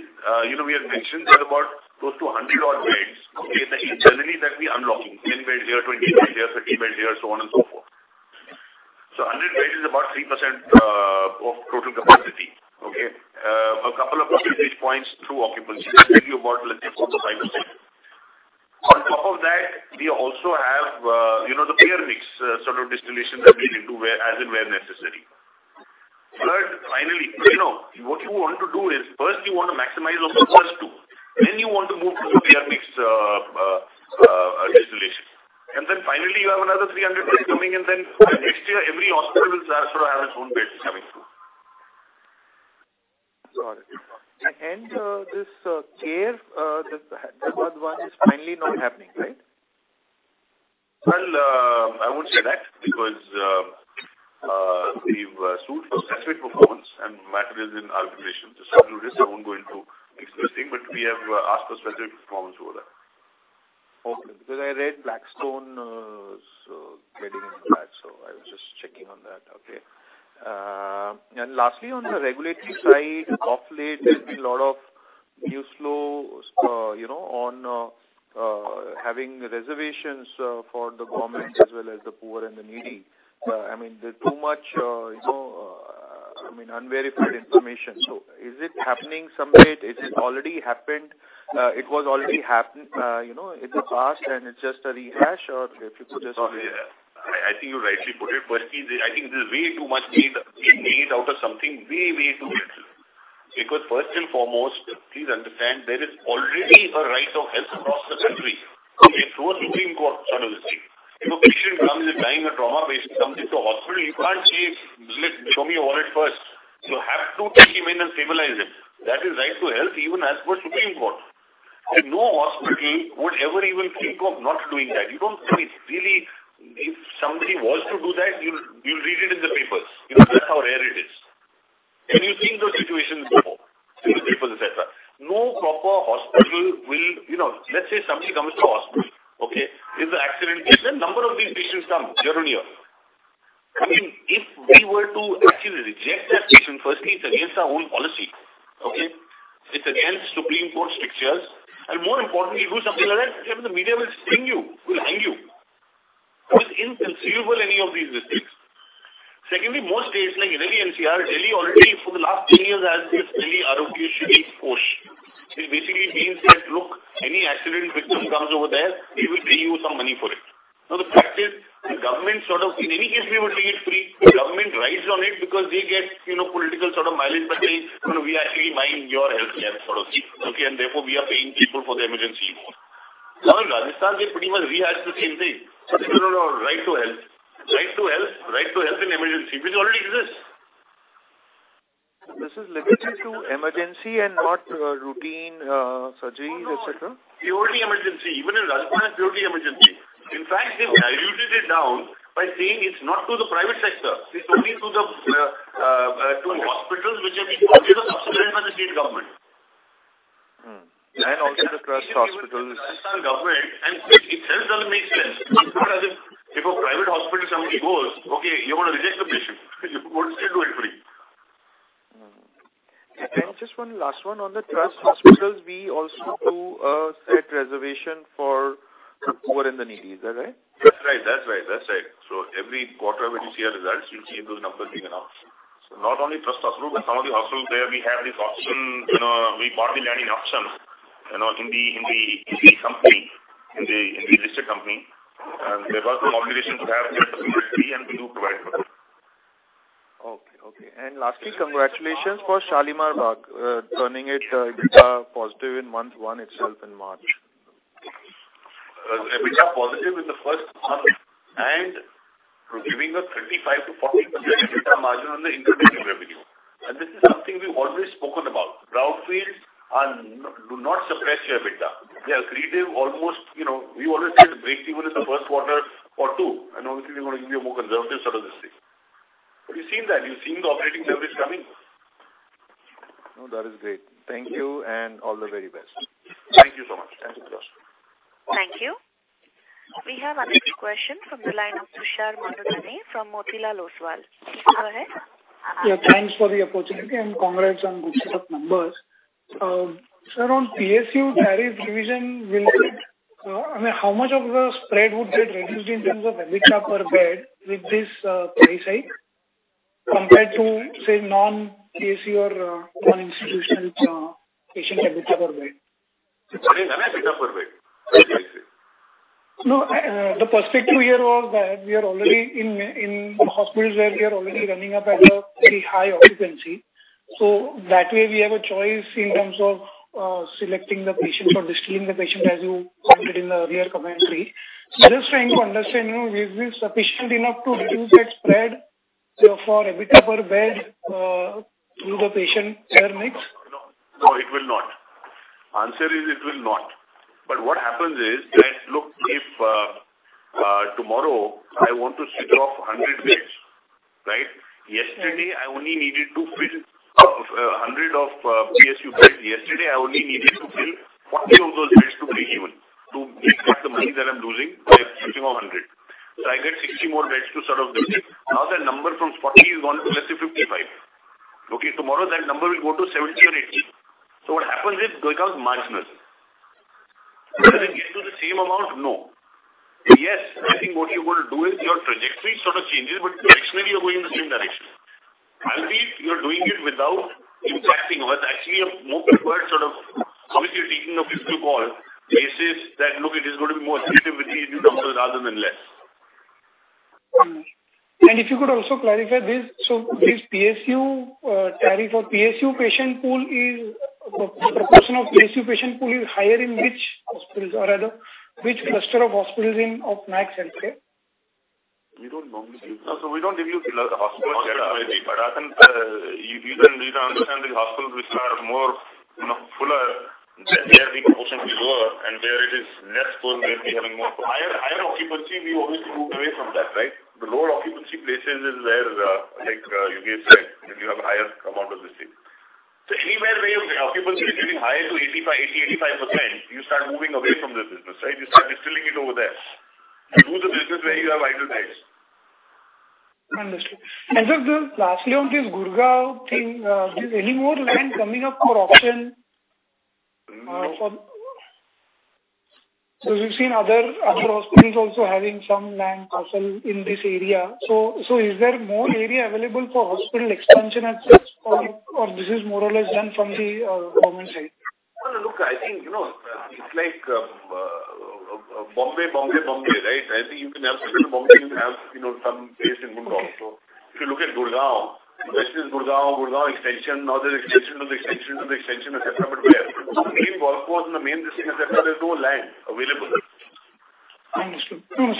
you know, we have mentioned there's about close to 100 odd beds, okay, that internally that we are unlocking. 10-bed here, 20-bed here, 30-bed here, so on and so forth. A 100 beds is about 3% of total capacity. Okay. A couple of percentage points through occupancy. That's maybe about, let's say 4%-5%. On top of that, we also have, you know, the payer mix, sort of distillation that we need to as and where necessary. Third, finally, you know, what you want to do is first you want to maximize on the first two. Then you want to move to the payer mix, distillation. Finally you have another 300 beds coming in, then next year every hospital will sort of have its own beds coming through. Got it. This, Care, that one is finally not happening, right? Well, I won't say that because we've sued for specific performance and matter is in arbitration. To settle this I won't go into expressing, but we have asked for specific performance over there. Okay. I read Blackstone is getting into that, so I was just checking on that. Okay. Lastly, on the regulatory side, of late there's been a lot of news flow, you know, on having reservations for the government as well as the poor and the needy. I mean, there's too much, you know, I mean, unverified information. Is it happening somewhat? Is it already happened? It was already happened, you know, in the past and it's just a rehash or if you could just- Yeah. I think you rightly put it. Firstly, I think there's way too much made out of something way too little. First and foremost, please understand there is already a right of health across the country, okay, through a Supreme Court sort of a thing. If a patient comes in dying of trauma, basically comes into a hospital, you can't say, "Show me your wallet first." You have to take him in and stabilize him. That is right to health even as per Supreme Court. No hospital would ever even think of not doing that. You don't see it really. If somebody was to do that, you'll read it in the papers. You know, that's how rare it is. You've seen those situations before in the papers, et cetera. No proper hospital will, you know. Let's say somebody comes to a hospital, okay? If the accident patient, number of these patients come year on year. I mean, if we were to actually reject that patient, firstly it's against our own policy. Okay? It's against Supreme Court strictures. More importantly, do something like that, the media will string you, will hang you. That is inconceivable any of these risks. Secondly, most states like Delhi NCR, Delhi already for the last 10 years has this Delhi Road Accident Scheme Force, which basically means that, look, any accident victim comes over there, they will pay you some money for it. The fact is the government sort of in any case we would take it free. The government rides on it because they get, you know, political sort of mileage by saying, "Well, we are actually minding your healthcare," sort of thing. Therefore we are paying people for the emergency more. Now in Rajasthan, they pretty much rehearsed the same thing. No, no. Right to health. Right to health, right to health in emergency, which already exists. This is limited to emergency and not routine surgeries, et cetera. No, no. Purely emergency. Even in Rajasthan, purely emergency. In fact, they've diluted it down by saying it's not to the private sector. It's only to the hospitals which have been subsidized by the state government. Also the trust hospitals. Rajasthan government and it helps that it makes sense. It's not as if a private hospital somebody goes, "Okay, you wanna reject the patient," you would still do it free. Just one last one on the trust hospitals. We also do set reservation for the poor and the needy. Is that right? That's right. That's right. That's right. Every quarter when you see our results, you'll see those numbers big enough. Not only trust hospitals, but some of the hospitals where we have this option, you know, we bought the land in auction, you know, in the listed company. Therefore the obligation to have certain percentage and we do provide for that. Okay. Lastly, congratulations for Shalimar Bagh, turning it EBITDA positive in month one itself in March. EBITDA positive in the first month and giving a 35%-40% EBITDA margin on the integrated revenue. This is something we've always spoken about. Brownfields do not suppress your EBITDA. They are accretive almost, you know, we always say it's breakeven in the first quarter or two, and obviously we're gonna give you a more conservative sort of this thing. You've seen that, you've seen the operating leverage coming. That is great. Thank you and all the very best. Thank you so much. Thank you. Thank you. We have our next question from the line of Tushar Manudhane from Motilal Oswal. Please go ahead. Yeah, thanks for the opportunity, and congrats on good set of numbers. Sir, on PSU tariff revision will get, I mean, how much of the spread would get reduced in terms of EBITDA per bed with this price hike compared to, say, non-PSU or non-institutional patient EBITDA per bed? Sorry, EBITDA per bed. Price. No, I, the perspective here was that we are already in hospitals where we are already running up at a very high occupancy. That way we have a choice in terms of, selecting the patients or distilling the patient as you commented in the earlier commentary. Just trying to understand, you know, is this sufficient enough to reduce that spread, you know, for EBITDA per bed, through the patient care mix? No. No, it will not. Answer is, it will not. What happens is that, look, if tomorrow I want to switch off 100 beds, right? Yesterday I only needed to fill 100 of PSU beds. Yesterday I only needed to fill 40 of those beds to breakeven, to get back the money that I'm losing by switching off 100. I get 60 more beds to sort of build it. Now, that number from 40 has gone to, let's say, 55. Okay, tomorrow that number will go to 70 or 80. What happens is it becomes marginal. Does it get to the same amount? No. Yes, I think what you're gonna do is your trajectory sort of changes, but directionally you're going in the same direction. You're doing it without impacting. Actually, a more preferred sort of how if you're taking a physical call, this is that look, it is going to be more accretive with you in terms of rather than less. If you could also clarify this. This PSU tariff or PSU patient pool, the proportion of PSU patient pool is higher in which hospitals or rather which cluster of hospitals in, of Max Healthcare? We don't normally give No. We don't give you hospital data. I think, you can either understand the hospitals which are more, you know, fuller, then there the proportion will be lower, and where it is less full, we'll be having more. Higher occupancy, we always move away from that, right? The lower occupancy places is where, like, Yogesh said, you have higher amount of risk. Anywhere where your occupancy is getting higher to 85%, 80%, 85%, you start moving away from this business, right? You start distilling it over there. You do the business where you have idle beds. Understood. Just, lastly on this Gurgaon thing, is any more land coming up for auction? No. we've seen other hospitals also having some land parcel in this area. is there more area available for hospital expansion at this point or this is more or less done from the government side? No, no. Look, I think, you know, it's like, Bombay, Bombay, right? I think you can have several Bombay, you can have, you know, some base in Gurgaon also. If you look at Gurgaon, west is Gurgaon extension, now there's extension to the extension to the extension, et cetera, but where the main work was and the main business, et cetera, there's no land available. Understood. No,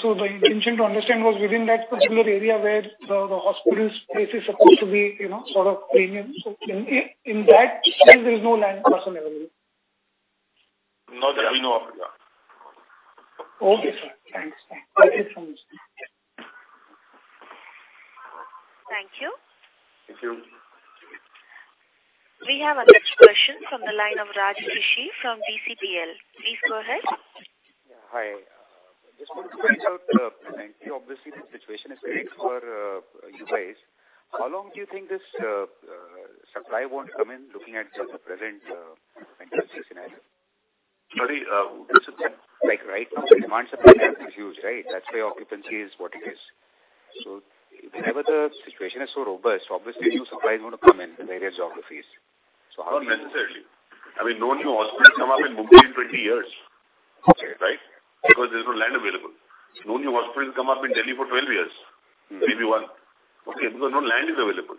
so the intention to understand was within that particular area where the hospital's place is supposed to be, you know, sort of premium. In that sense there is no land parcel available. Not that we know of, yeah. Okay, sir. Thanks. Thank you so much, sir. Thank you. Thank you. We have our next question from the line of Raj Rishi from Dcpl. Please go ahead. Yeah. Hi. just wanted to find out. Obviously, the situation is big for you guys. How long do you think this supply won't come in looking at the present interest rate scenario? Sorry. Like right now, demand supply is huge, right? That's why occupancy is what it is. Whenever the situation is so robust, obviously new supply is going to come in various geographies. How do you- Not necessarily. I mean, no new hospitals come up in Mumbai in 20 years. Okay. Right? Because there's no land available. No new hospitals come up in Delhi for 12 years. Maybe one. Okay. Because no land is available.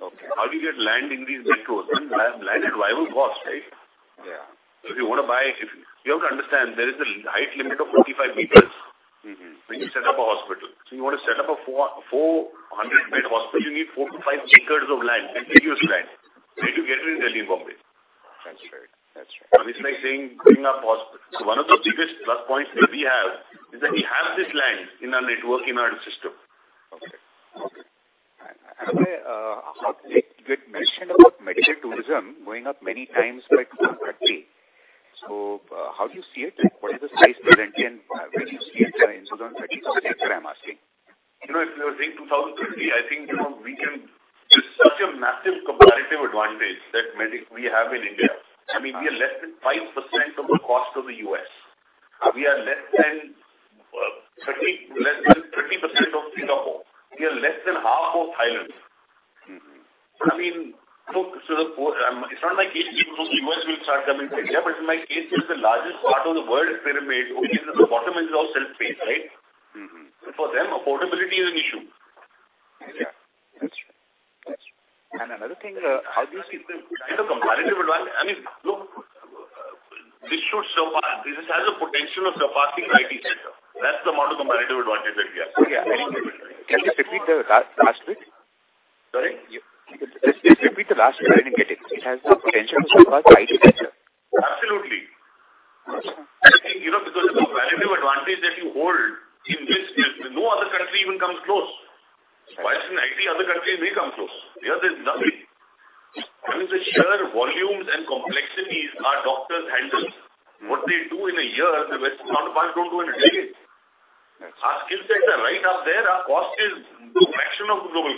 Okay. How do you get land in these metros and land at viable cost, right? Yeah. You have to understand, there is a height limit of 45 meters. Mm-hmm. When you set up a hospital. You want to set up a 400-bed hospital, you need 4-5 acres of land, contiguous land. Where do you get it in Delhi and Bombay? That's right. That's right. It's like saying putting up hospital. One of the biggest plus points that we have is that we have this land in our network, in our system. Okay. Okay. You had mentioned about medical tourism going up many times by 230. How do you see it? What is the size potentially and when do you see it in 2030 sector, I'm asking? You know, if you're saying 2030, I think, you know, we can... There's such a massive comparative advantage that medic we have in India. I mean, we are less than 5% of the cost of the U.S. We are less than 30% of Singapore. We are less than half of Thailand. Mm-hmm. I mean, look, it's not like people from the US will start coming to India, but in my case, it's the largest part of the world pyramid, only the bottom is all self-paid, right? Mm-hmm. For them, affordability is an issue. Yeah, that's true. That's true. Another thing, how do you see the- In a comparative advantage, I mean, look, this has the potential of surpassing IT sector. That's the amount of comparative advantage that we have. Oh, yeah. Can you just repeat the last bit? Sorry? Just repeat the last bit. I didn't get it. It has the potential to surpass IT sector. Absolutely. Gotcha. I think, you know, because of the comparative advantage that you hold in this field, no other country even comes close. Whilst in IT, other countries may come close. Here, there's nothing. I mean, the sheer volumes and complexities our doctors handle, what they do in a year, the Western counterparts don't do in a decade. That's true. Our skill sets are right up there. Our cost is a fraction of the global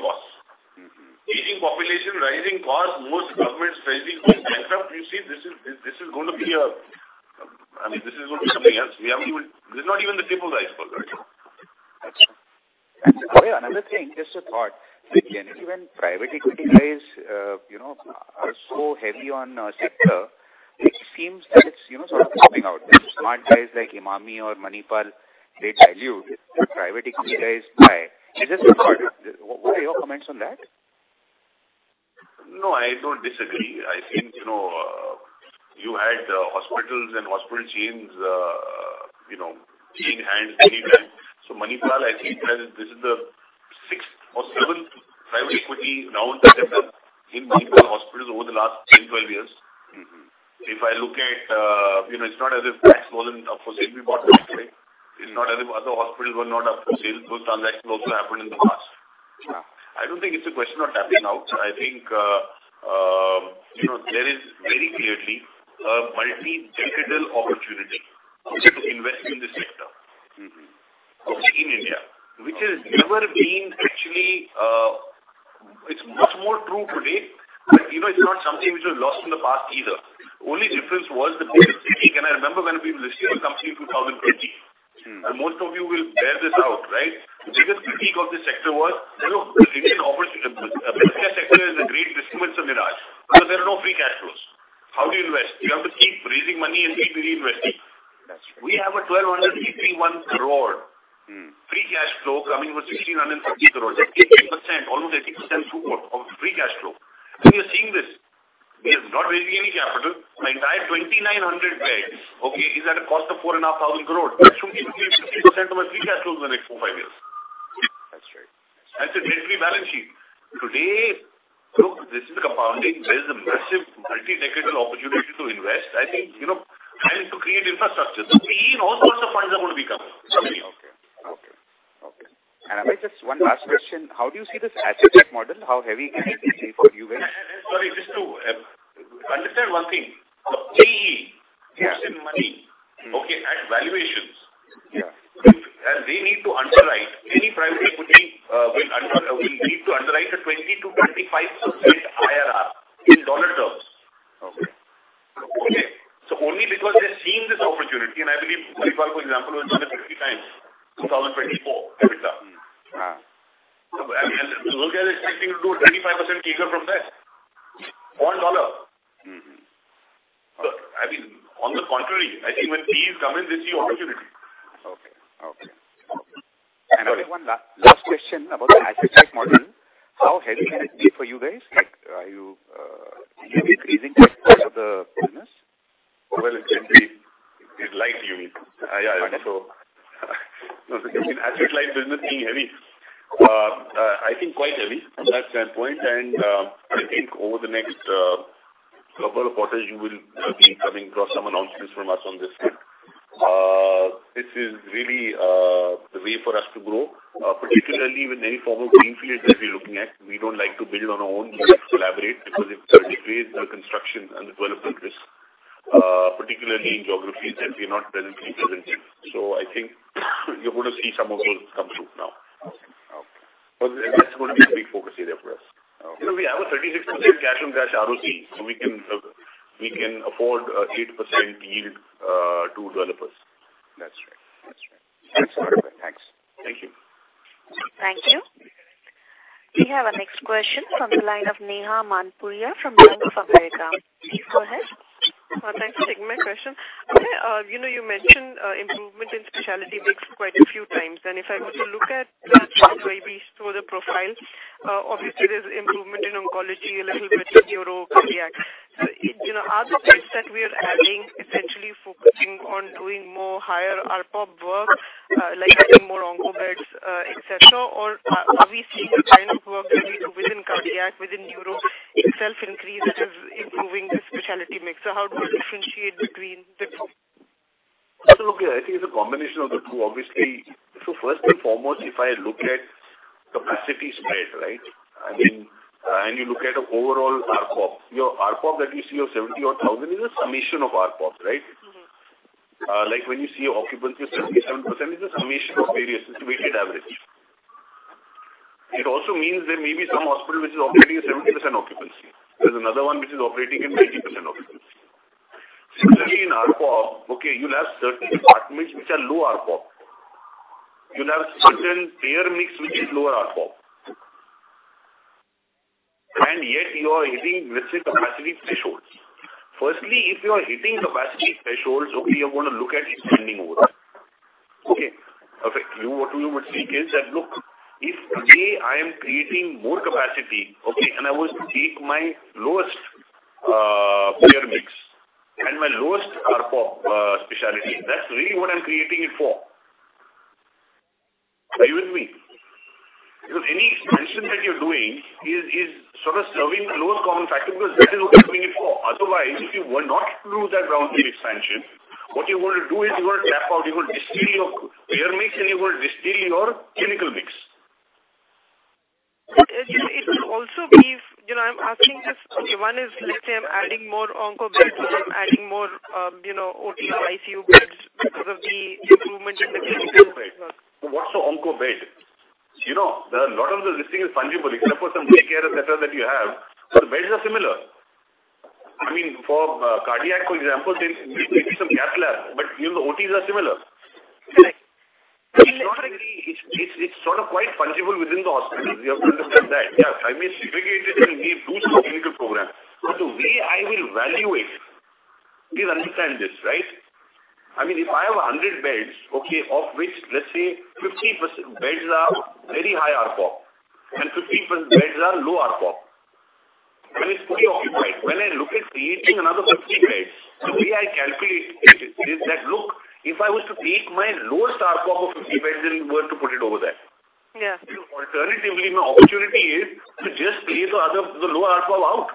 costs. Mm-hmm. Aging population, rising costs, most governments raising hands up, you see this is going to be a, I mean, this is going to be something else. This is not even the tip of the iceberg. That's true. That's true. Another thing, just a thought. In general, even private equity guys, you know, are so heavy on our sector, it seems that it's, you know, sort of topping out. There are smart guys like Emami or Manipal, they tell you the private equity guys buy. It's just a thought. What are your comments on that? No, I don't disagree. I think, you know, you had hospitals and hospital chains, you know, changing hands many times. Manipal, I think, this is the sixth or seventh private equity round that they've done in Manipal Hospitals over the last 10, 12 years. Mm-hmm. If I look at, you know, it's not as if Max wasn't up for sale, we bought them today. It's not as if other hospitals were not up for sale. Those transactions also happened in the past. Yeah. I don't think it's a question of tapping out. I think, you know, there is very clearly a multi-decadal opportunity to invest in this sector. Mm-hmm. In India, which has never been actually, it's much more true today. You know, it's not something which was lost in the past either. Only difference was the cost of care. I remember when we were listing our company in 2020. Mm. Most of you will bear this out, right? The biggest critique of this sector was, you know, the Indian private care sector is a great investment mirage because there are no free cash flows. How do you invest? You have to keep raising money and keep reinvesting. That's true. We have a 1,231 crore- Mm. -free cash flow coming with 1,650 crore. That is 8%, almost 8% throughput of free cash flow. You're seeing this. We have not raised any capital. My entire 2,900 beds, okay, is at a cost of 4,500 crore. That should give me 50% of my free cash flows in the next 4-5 years. That's right. That's a greatly balanced sheet. Today, look, this is a compounding. There's a massive multi-decadal opportunity to invest. I think, you know, to create infrastructure. We and all sorts of funds are going to be coming. Many of them. Okay. Okay. If I just one last question, how do you see this asset check model? How heavy can it be for you guys? Sorry, just to understand one thing. For PE. Yeah. gives him money, okay, at valuations. Yeah. They need to underwrite. Any private equity will need to underwrite a 20%-25% IRR in dollar terms. Okay. Okay? Only because they're seeing this opportunity, and I believe Manipal, for example, was done at 50x 2024 CAPEX. Mm. Ah. I mean, look, they're expecting to do a 35% CAGR from that on dollar. Mm-hmm. I mean, on the contrary, I think when PEs come in, they see opportunity. Okay. Okay. I have one last question about the asset check model. How heavy can it be for you guys? Like, are you, will you be increasing the size of the business? Well, in general, in life you mean? Yeah, I think so. No, asset-light business being heavy, I think quite heavy from that standpoint. I think over the next couple of quarters, you will be coming across some announcements from us on this front. This is really the way for us to grow. Particularly with any form of greenfield that we're looking at, we don't like to build on our own. We like to collaborate because it certainly creates the construction and development risk. Particularly in geographies that we're not presently presented. I think you're gonna see some of those come through now. Okay. Okay. That's gonna be a big focus area for us. Okay. You know, we have a 36% cash on cash ROC, so we can we can afford 8% yield to developers. That's right. That's right. Thanks. Okay. Thanks. Thank you. Thank you. We have our next question from the line of Neha Manpuria from Bank of America. Please go ahead. Thanks for taking my question. Okay, you know, you mentioned improvement in specialty mix quite a few times. If I were to look at maybe through the profile, obviously there's improvement in oncology, a little bit in neuro, cardiac. You know, are the beds that we are adding essentially focusing on doing more higher ARPOB work, like adding more onco beds, et cetera? Or are we seeing a kind of work really within cardiac, within neuro itself increase that is improving the specialty mix? How do you differentiate between the two? Look, I think it's a combination of the two, obviously. First and foremost, if I look at capacity spread, right? I mean, and you look at the overall ARPOB. Your ARPOB that you see of 71,000 is a summation of ARPOB, right? Mm-hmm. Like when you see occupancy of 77% is a summation of various weighted average. It also means there may be some hospital which is operating a 70% occupancy. There's another one which is operating in 90% occupancy. Similarly in ARPOB, okay, you'll have certain departments which are low ARPOB. You'll have certain payer mix which is lower ARPOB. Yet you are hitting capacity thresholds. Firstly, if you are hitting capacity thresholds, okay, you're gonna look at expanding over. Okay. Perfect. What we would see is that, look, if today I am creating more capacity, okay, and I was to take my lowest, payer mix and my lowest ARPOB, specialty, that's really what I'm creating it for. Are you with me? Any expansion that you're doing is sort of serving the lowest common factor because that is what you're doing it for. Otherwise, if you were not to do that ground feed expansion, what you're gonna do is you're gonna tap out, you're gonna distill your payer mix and you're gonna distill your clinical mix. it will also be. You know, I'm asking this, okay, one is let's say I'm adding more onco beds or I'm adding more, you know, OT or ICU beds because of the improvement. Onco bed. What's the onco bed? You know, a lot of the listing is fungible. Except for some daycares et cetera that you have, but the beds are similar. I mean, for cardiac, for example, there may be some cath lab, but, you know, the OTs are similar. Right. It's not like it's sort of quite fungible within the hospitals. You have to understand that. Yeah, I may segregate it and may boost the clinical program. The way I will value it, please understand this, right? I mean, if I have 100 beds, okay, of which let's say 50% beds are very high ARPOB and 50% beds are low ARPOB, and it's fully occupied. When I look at creating another 50 beds, the way I calculate it is that, look, if I was to create my lowest ARPOB of 50 beds, then we're to put it over there. Yeah. Alternatively, my opportunity is to just pay the low ARPOB out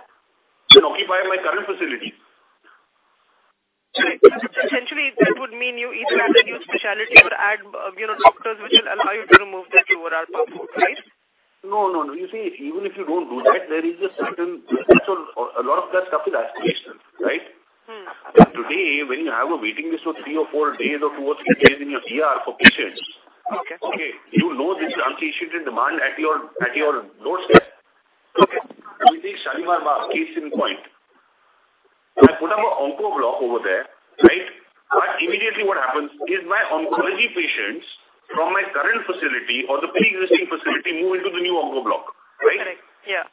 and occupy my current facility. Right. essentially that would mean you either add a new specialty or add, you know, doctors which will allow you to remove that lower ARPOB, right? No, no. You see, even if you don't do that, there is a certain... A lot of that stuff is aspirational, right? Mm-hmm. Today, when you have a waiting list of three or four days or two or three days in your ER for patients. Okay. Okay, you know this is unappreciated demand at your, at your doorstep. Okay. You take Shalimar Bagh case in point. I put up a onco block over there, right? Immediately what happens is my oncology patients from my current facility or the pre-existing facility move into the new onco block, right? Correct. Yeah.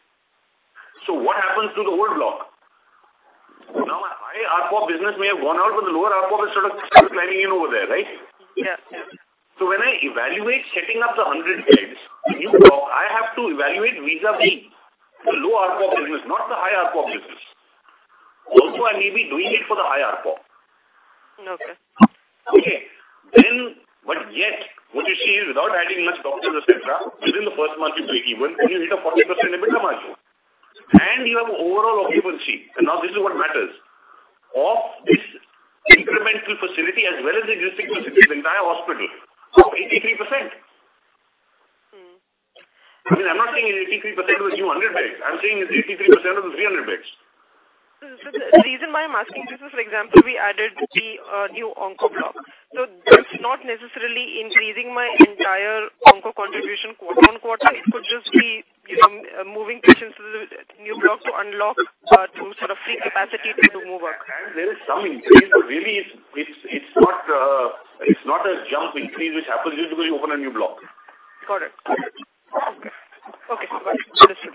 What happens to the old block? Now, my high ARPOB business may have gone out, but the lower ARPOB is sort of planning in over there, right? Yeah. Yeah. When I evaluate setting up the 100 beds in the new block, I have to evaluate vis-à-vis the low ARPOB business, not the high ARPOB business. I may be doing it for the high ARPOB. Okay. What you see is without adding much doctors, et cetera, within the first month you break even, and you hit a 40% EBITDA margin. You have overall occupancy, and now this is what matters, of this incremental facility as well as the existing facility, the entire hospital, of 83%. Mm-hmm. I mean, I'm not saying it's 83% of the new 100 beds. I'm saying it's 83% of the 300 beds. The reason why I'm asking this is, for example, we added the new onco block. That's not necessarily increasing my entire onco contribution quarter-on-quarter. It could just be, you know, moving patients to the new block to unlock through sort of free capacity to move up. There is some increase, but really it's not, it's not a jump increase which happens just because you open a new block. Got it. Got it. Okay. Okay. Understood.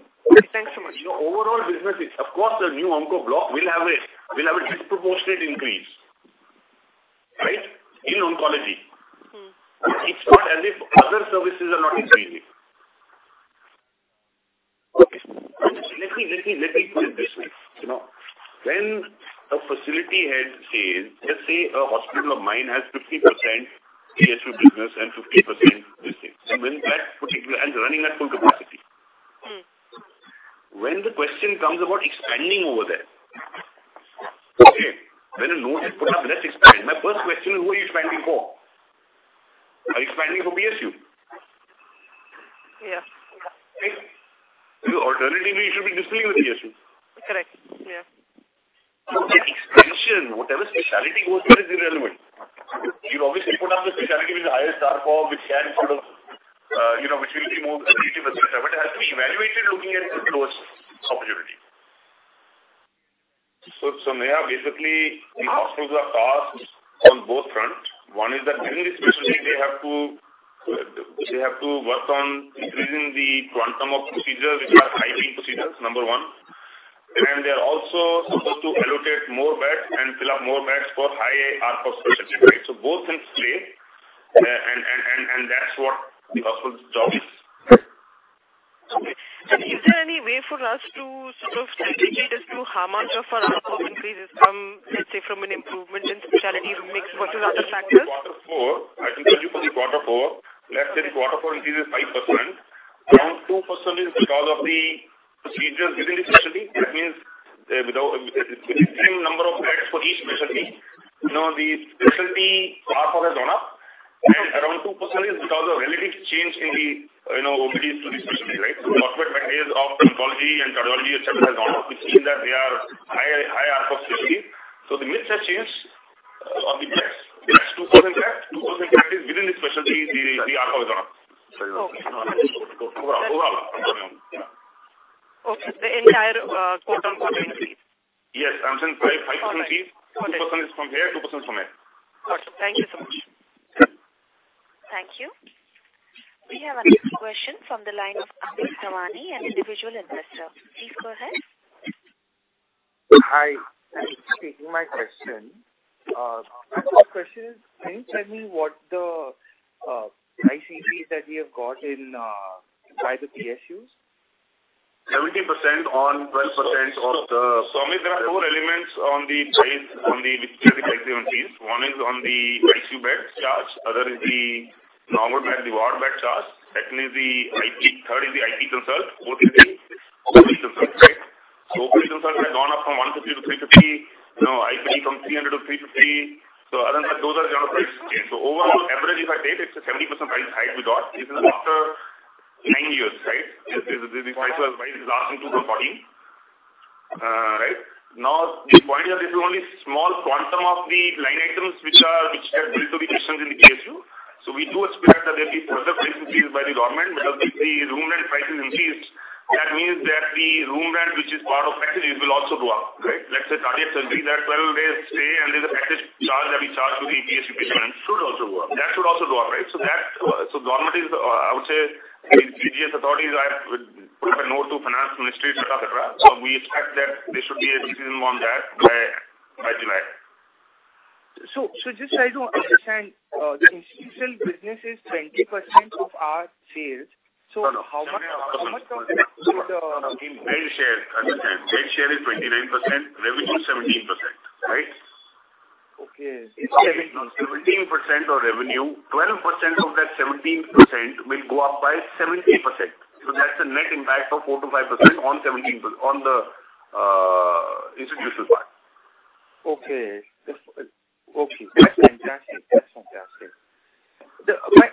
Thanks so much. Your overall business is. Of course, the new onco block will have a disproportionate increase, right, in oncology. Mm-hmm. It's not as if other services are not increasing. Okay. Let me put it this way. You know, when a facility head says, let's say a hospital of mine has 50% PSU business and 50% this thing. Running at full capacity. Mm-hmm. When the question comes about expanding over there, okay, when a note is put up, "Let's expand," my first question is, who are you expanding for? Are you expanding for PSU? Yeah. Yeah. Alternatively, you should be displaying the PSU. Correct. Yeah. The expansion, whatever specialty goes there is irrelevant. You obviously put up the specialty with the highest ARPOB, which can sort of, you know, which will be more accretive et cetera. But it has to be evaluated looking at the close opportunity. Sameha, basically, the hospitals are tasked on both fronts. One is that during the specialty they have to work on increasing the quantum of procedures which are high-pay procedures, number one. And they are also supposed to allocate more beds and fill up more beds for high ARPOB specialty. Right? Both things play and that's what the hospital's job is. Okay. Is there any way for us to sort of strategize as to how much of our ARPOB increases come, let's say, from an improvement in specialty mix versus other factors? Quarter four. I can tell you for the quarter four. Let's say if quarter four increases 5%, around 2% is because of the procedures within the specialty. That means, with the same number of beds for each specialty. You know, the specialty ARPOB has gone up, and around 2% is because of relative change in the, you know, OPDs to the specialty, right? Market values of dermatology and cardiology, et cetera, has gone up, which means that they are higher ARPOB specialty. The mix has changed on the beds. The extra 2% beds is within the specialty the ARPOB has gone up. Okay. Overall. Overall. Yeah. Okay. The entire. Yes, I'm saying 5% is... 2% is from here, 2% is from there. Got it. Thank you so much. Thank you. We have our next question from the line of Amit Dawani, an individual investor. Please go ahead. Hi. Thank you for taking my question. My first question is, can you tell me what the price increase that you have got in by the PSUs? 70% on 12% of. Amit, there are four elements on the price, on the listed price increases. One is on the ICU bed charge, other is the normal bed, the ward bed charge. Second is the. Third is the IP consult, fourth is the OP consult. Right? OP consult has gone up from 150 to 350. You know, IP from 300 to 350. Other than that, those are general price change. Overall average if I take, it's a 70% price hike we got. This is after 9 years, right? This is price rise last in 2014. Right. Now the point is this is only small quantum of the line items which are, which have been to the patients in the PSU. We do expect that there'll be further price increase by the government because if the room rent prices increased, that means that the room rent which is part of package it will also go up. Right? Let's say cardiac surgery, that 12 days stay and there's a package charge that we charge to the EPS patients. Should also go up. That should also go up, right. That's government is, I would say the CGHS authorities have put up a note to finance ministry, et cetera. We expect that there should be a decision on that by July. Just trying to understand, the institutional business is 20% of our sales. No, no. How much of it is? Share. Understand. Share is 29%, revenue 17%. Right? Okay. 17% of revenue, 12% of that 17% will go up by 70%. That's the net impact of 4%-5% on 17%, on the institutional part. Okay. Okay. That's fantastic. That's fantastic.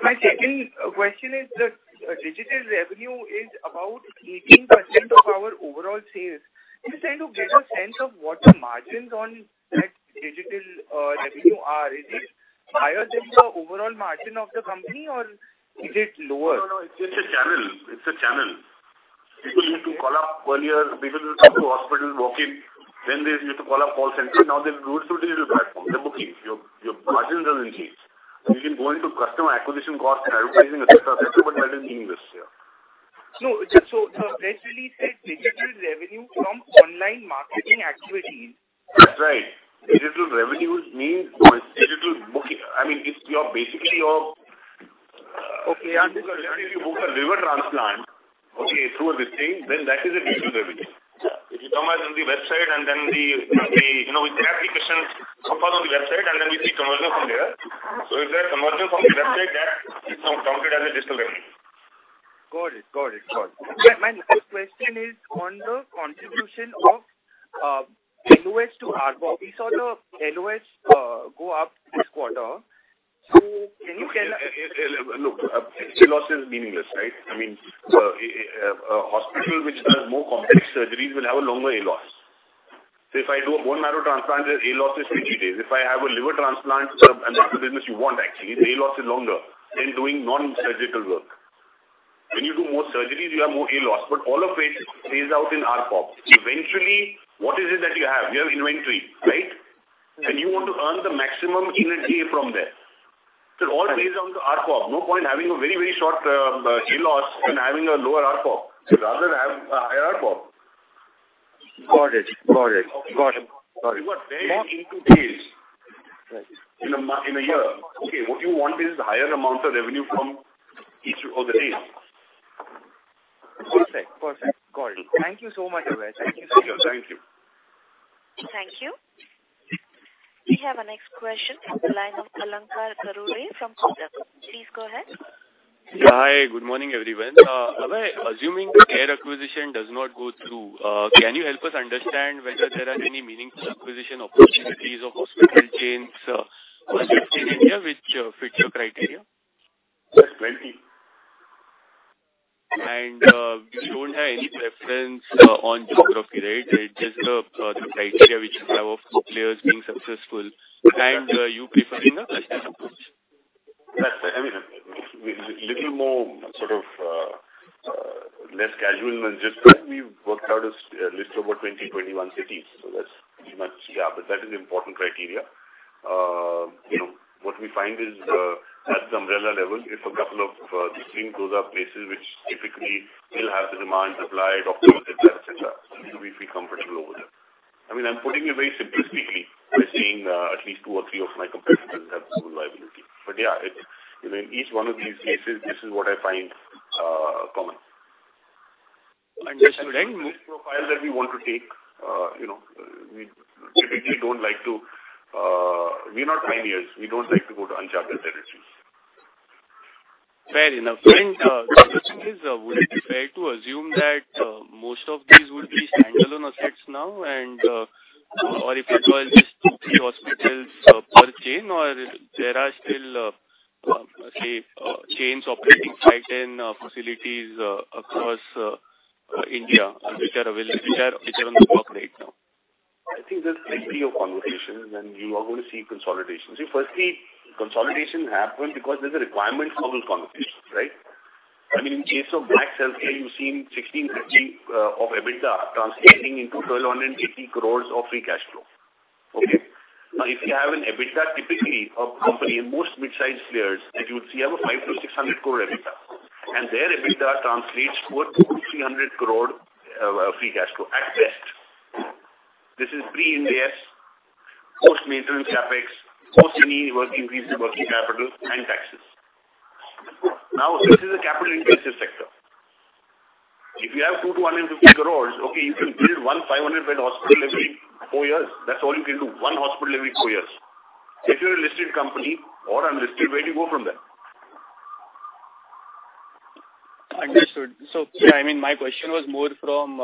My second question is the digital revenue is about 18% of our overall sales. Just trying to get a sense of what the margins on that digital revenue are. Is it higher than the overall margin of the company or is it lower? No, no. It's a channel. It's a channel. People used to call up earlier. People used to come to hospital, walk in, then they used to call up call center. Now they do it through digital platform. They're booking. Your margin doesn't change. You can go into customer acquisition costs and advertising, et cetera, et cetera, but that is meaningless here. No. The press release said digital revenue from online marketing activities. That's right. Digital revenues means digital booking. I mean, if you're basically... Okay. If you book a liver transplant, okay, through a listing, then that is a digital revenue. If you come on the website and then the You know, we track the patients who come on the website and then we see conversion from there. If they're converting from the website, that is counted as a digital revenue. Got it. My next question is on the contribution of NOS to ARPOB. We saw the NOS go up this quarter. Can you? Look, ALOS is meaningless, right? I mean, a hospital which does more complex surgeries will have a longer ALOS. If I do a bone marrow transplant, ALOS is 30 days. If I have a liver transplant, that's the business you want actually. The ALOS is longer than doing non-surgical work. When you do more surgeries, you have more ALOS. All of it plays out in ARPOB. Eventually, what is it that you have? You have inventory, right? You want to earn the maximum unit A from there. It all plays out to ARPOB. No point in having a very, very short, ALOS and having a lower ARPOB. Rather have a higher ARPOB. Got it. Got it. Got it. Got it. You've got beds in two days. Right. In a year. Okay, what you want is the higher amounts of revenue from each of the days. Perfect. Perfect. Got it. Thank you so much, Abhay. Thank you. Thank you. Thank you. We have our next question from the line of Alankar Garude from Kotak. Please go ahead. Hi. Good morning, everyone. Abhay, assuming the care acquisition does not go through, can you help us understand whether there are any meaningful acquisition opportunities? Please of hospital chains, across India which, fits your criteria. That's 20. You don't have any preference, on geography, right? Just the criteria which you have of players being successful and, you preferring a cluster approach. That's right. I mean, a little more sort of, less casual than just that. We've worked out a list of about 20-21 cities. That's pretty much, yeah, but that is important criteria. You know, what we find is, at the umbrella level, if a couple of distinct groups are places which typically will have the demand, supply, doctors, et cetera, et cetera. We feel comfortable over there. I mean, I'm putting it very simplistically by saying, at least two or three of my competitors have similar liability. Yeah, it, you know, in each one of these cases, this is what I find, common. Understood. This is the profile that we want to take. you know, we're not pioneers. We don't like to go to uncharted territories. Fair enough. The question is, would it be fair to assume that most of these would be standalone assets now, or if at all, just two, three hospitals per chain, or there are still, say, chains operating five, 10 facilities across India which are on the block right now? I think there's plenty of consolidation and you are gonna see consolidation. See firstly, consolidation happened because there's a requirement for consolidation, right? I mean, in case of Max Healthcare, you've seen 16 stitching of EBITDA translating into 1,280 crore of free cash flow. Okay? Now, if you have an EBITDA typically of company in most mid-sized players, as you would see, have a 500-600 crore EBITDA. And their EBITDA translates to 200-300 crore free cash flow at best. This is pre-indebts, post-maintenance CapEx, post any increase in working capital and taxes. Now, this is a capital-intensive sector. If you have 2-150 crore, okay, you can build one 500-bed hospital every four years. That's all you can do. One hospital every four years. If you're a listed company or unlisted, where do you go from there? Understood. Yeah, I mean, my question was more from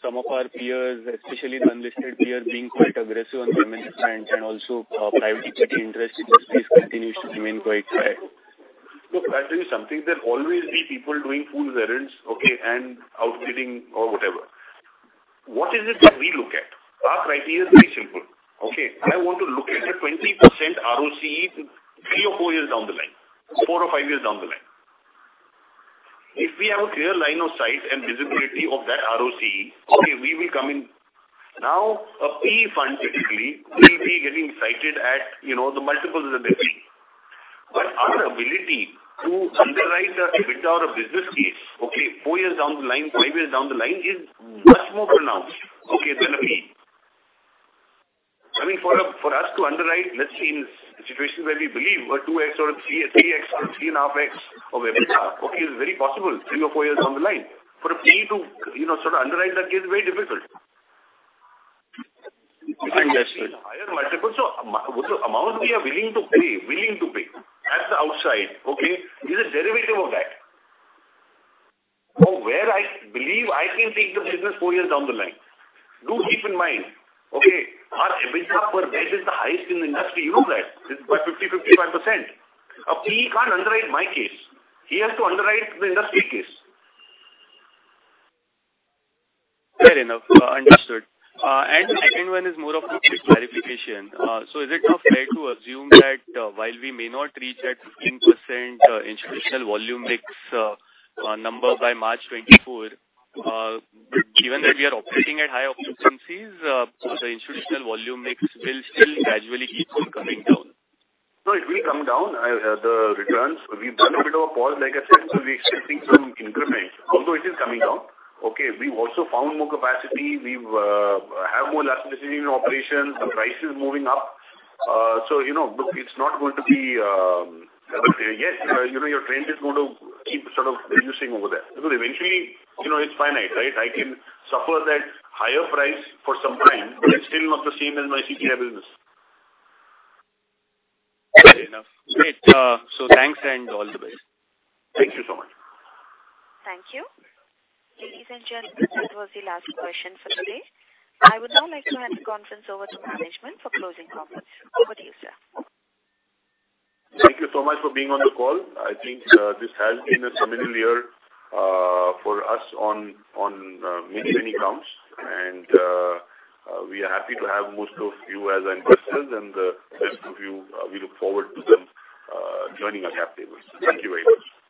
some of our peers, especially the unlisted peers, being quite aggressive on M&A front and also private equity interest in the space continues to remain quite high. Look, can I tell you something? There'll always be people doing fool's errands, okay, and outfitting or whatever. What is it that we look at? Our criteria is very simple, okay? I want to look at a 20% ROCE 3 or 4 years down the line, 4 or 5 years down the line. If we have a clear line of sight and visibility of that ROCE, okay, we will come in. A PE fund typically will be getting cited at, you know, the multiples that they bring. Our ability to underwrite a EBITDA or a business case, okay, 4 years down the line, 5 years down the line is much more pronounced, okay, than a PE. I mean, for us to underwrite, let's say in a situation where we believe a 2x or a 3x or a 3.5x of EBITDA, okay, is very possible three or four years down the line. For a PE to, you know, sort of underwrite that case, very difficult. Understood. Higher multiples. Amount we are willing to pay at the outside is a derivative of that. Where I believe I can take the business four years down the line. Do keep in mind, our EBITDA per bed is the highest in the industry. You know that. It's about 50-55%. A PE can't underwrite my case. He has to underwrite the industry case. Fair enough. Understood. The second one is more of a quick clarification. Is it now fair to assume that while we may not reach that 15% institutional volume mix number by March 2024, given that we are operating at high occupancies, the institutional volume mix will still gradually keep on coming down? It will come down. The returns, we've done a bit of a call, like I said, so we're expecting some increments, although it is coming down. We've also found more capacity. We've have more elasticity in operations. The price is moving up. You know, look, it's not going to be, yes, you know, your trend is going to keep sort of reducing over there. Eventually, you know, it's finite, right? I can suffer that higher price for some time, but it's still not the same as my CTW business. Fair enough. Great. Thanks and all the best. Thank you so much. Thank you. Ladies and gentlemen, that was the last question for today. I would now like to hand the conference over to management for closing comments. Over to you, sir. Thank you so much for being on the call. I think, this has been a seminal year, for us on many, many counts. We are happy to have most of you as investors, and rest of you, we look forward to them joining our camp very soon. Thank you very much.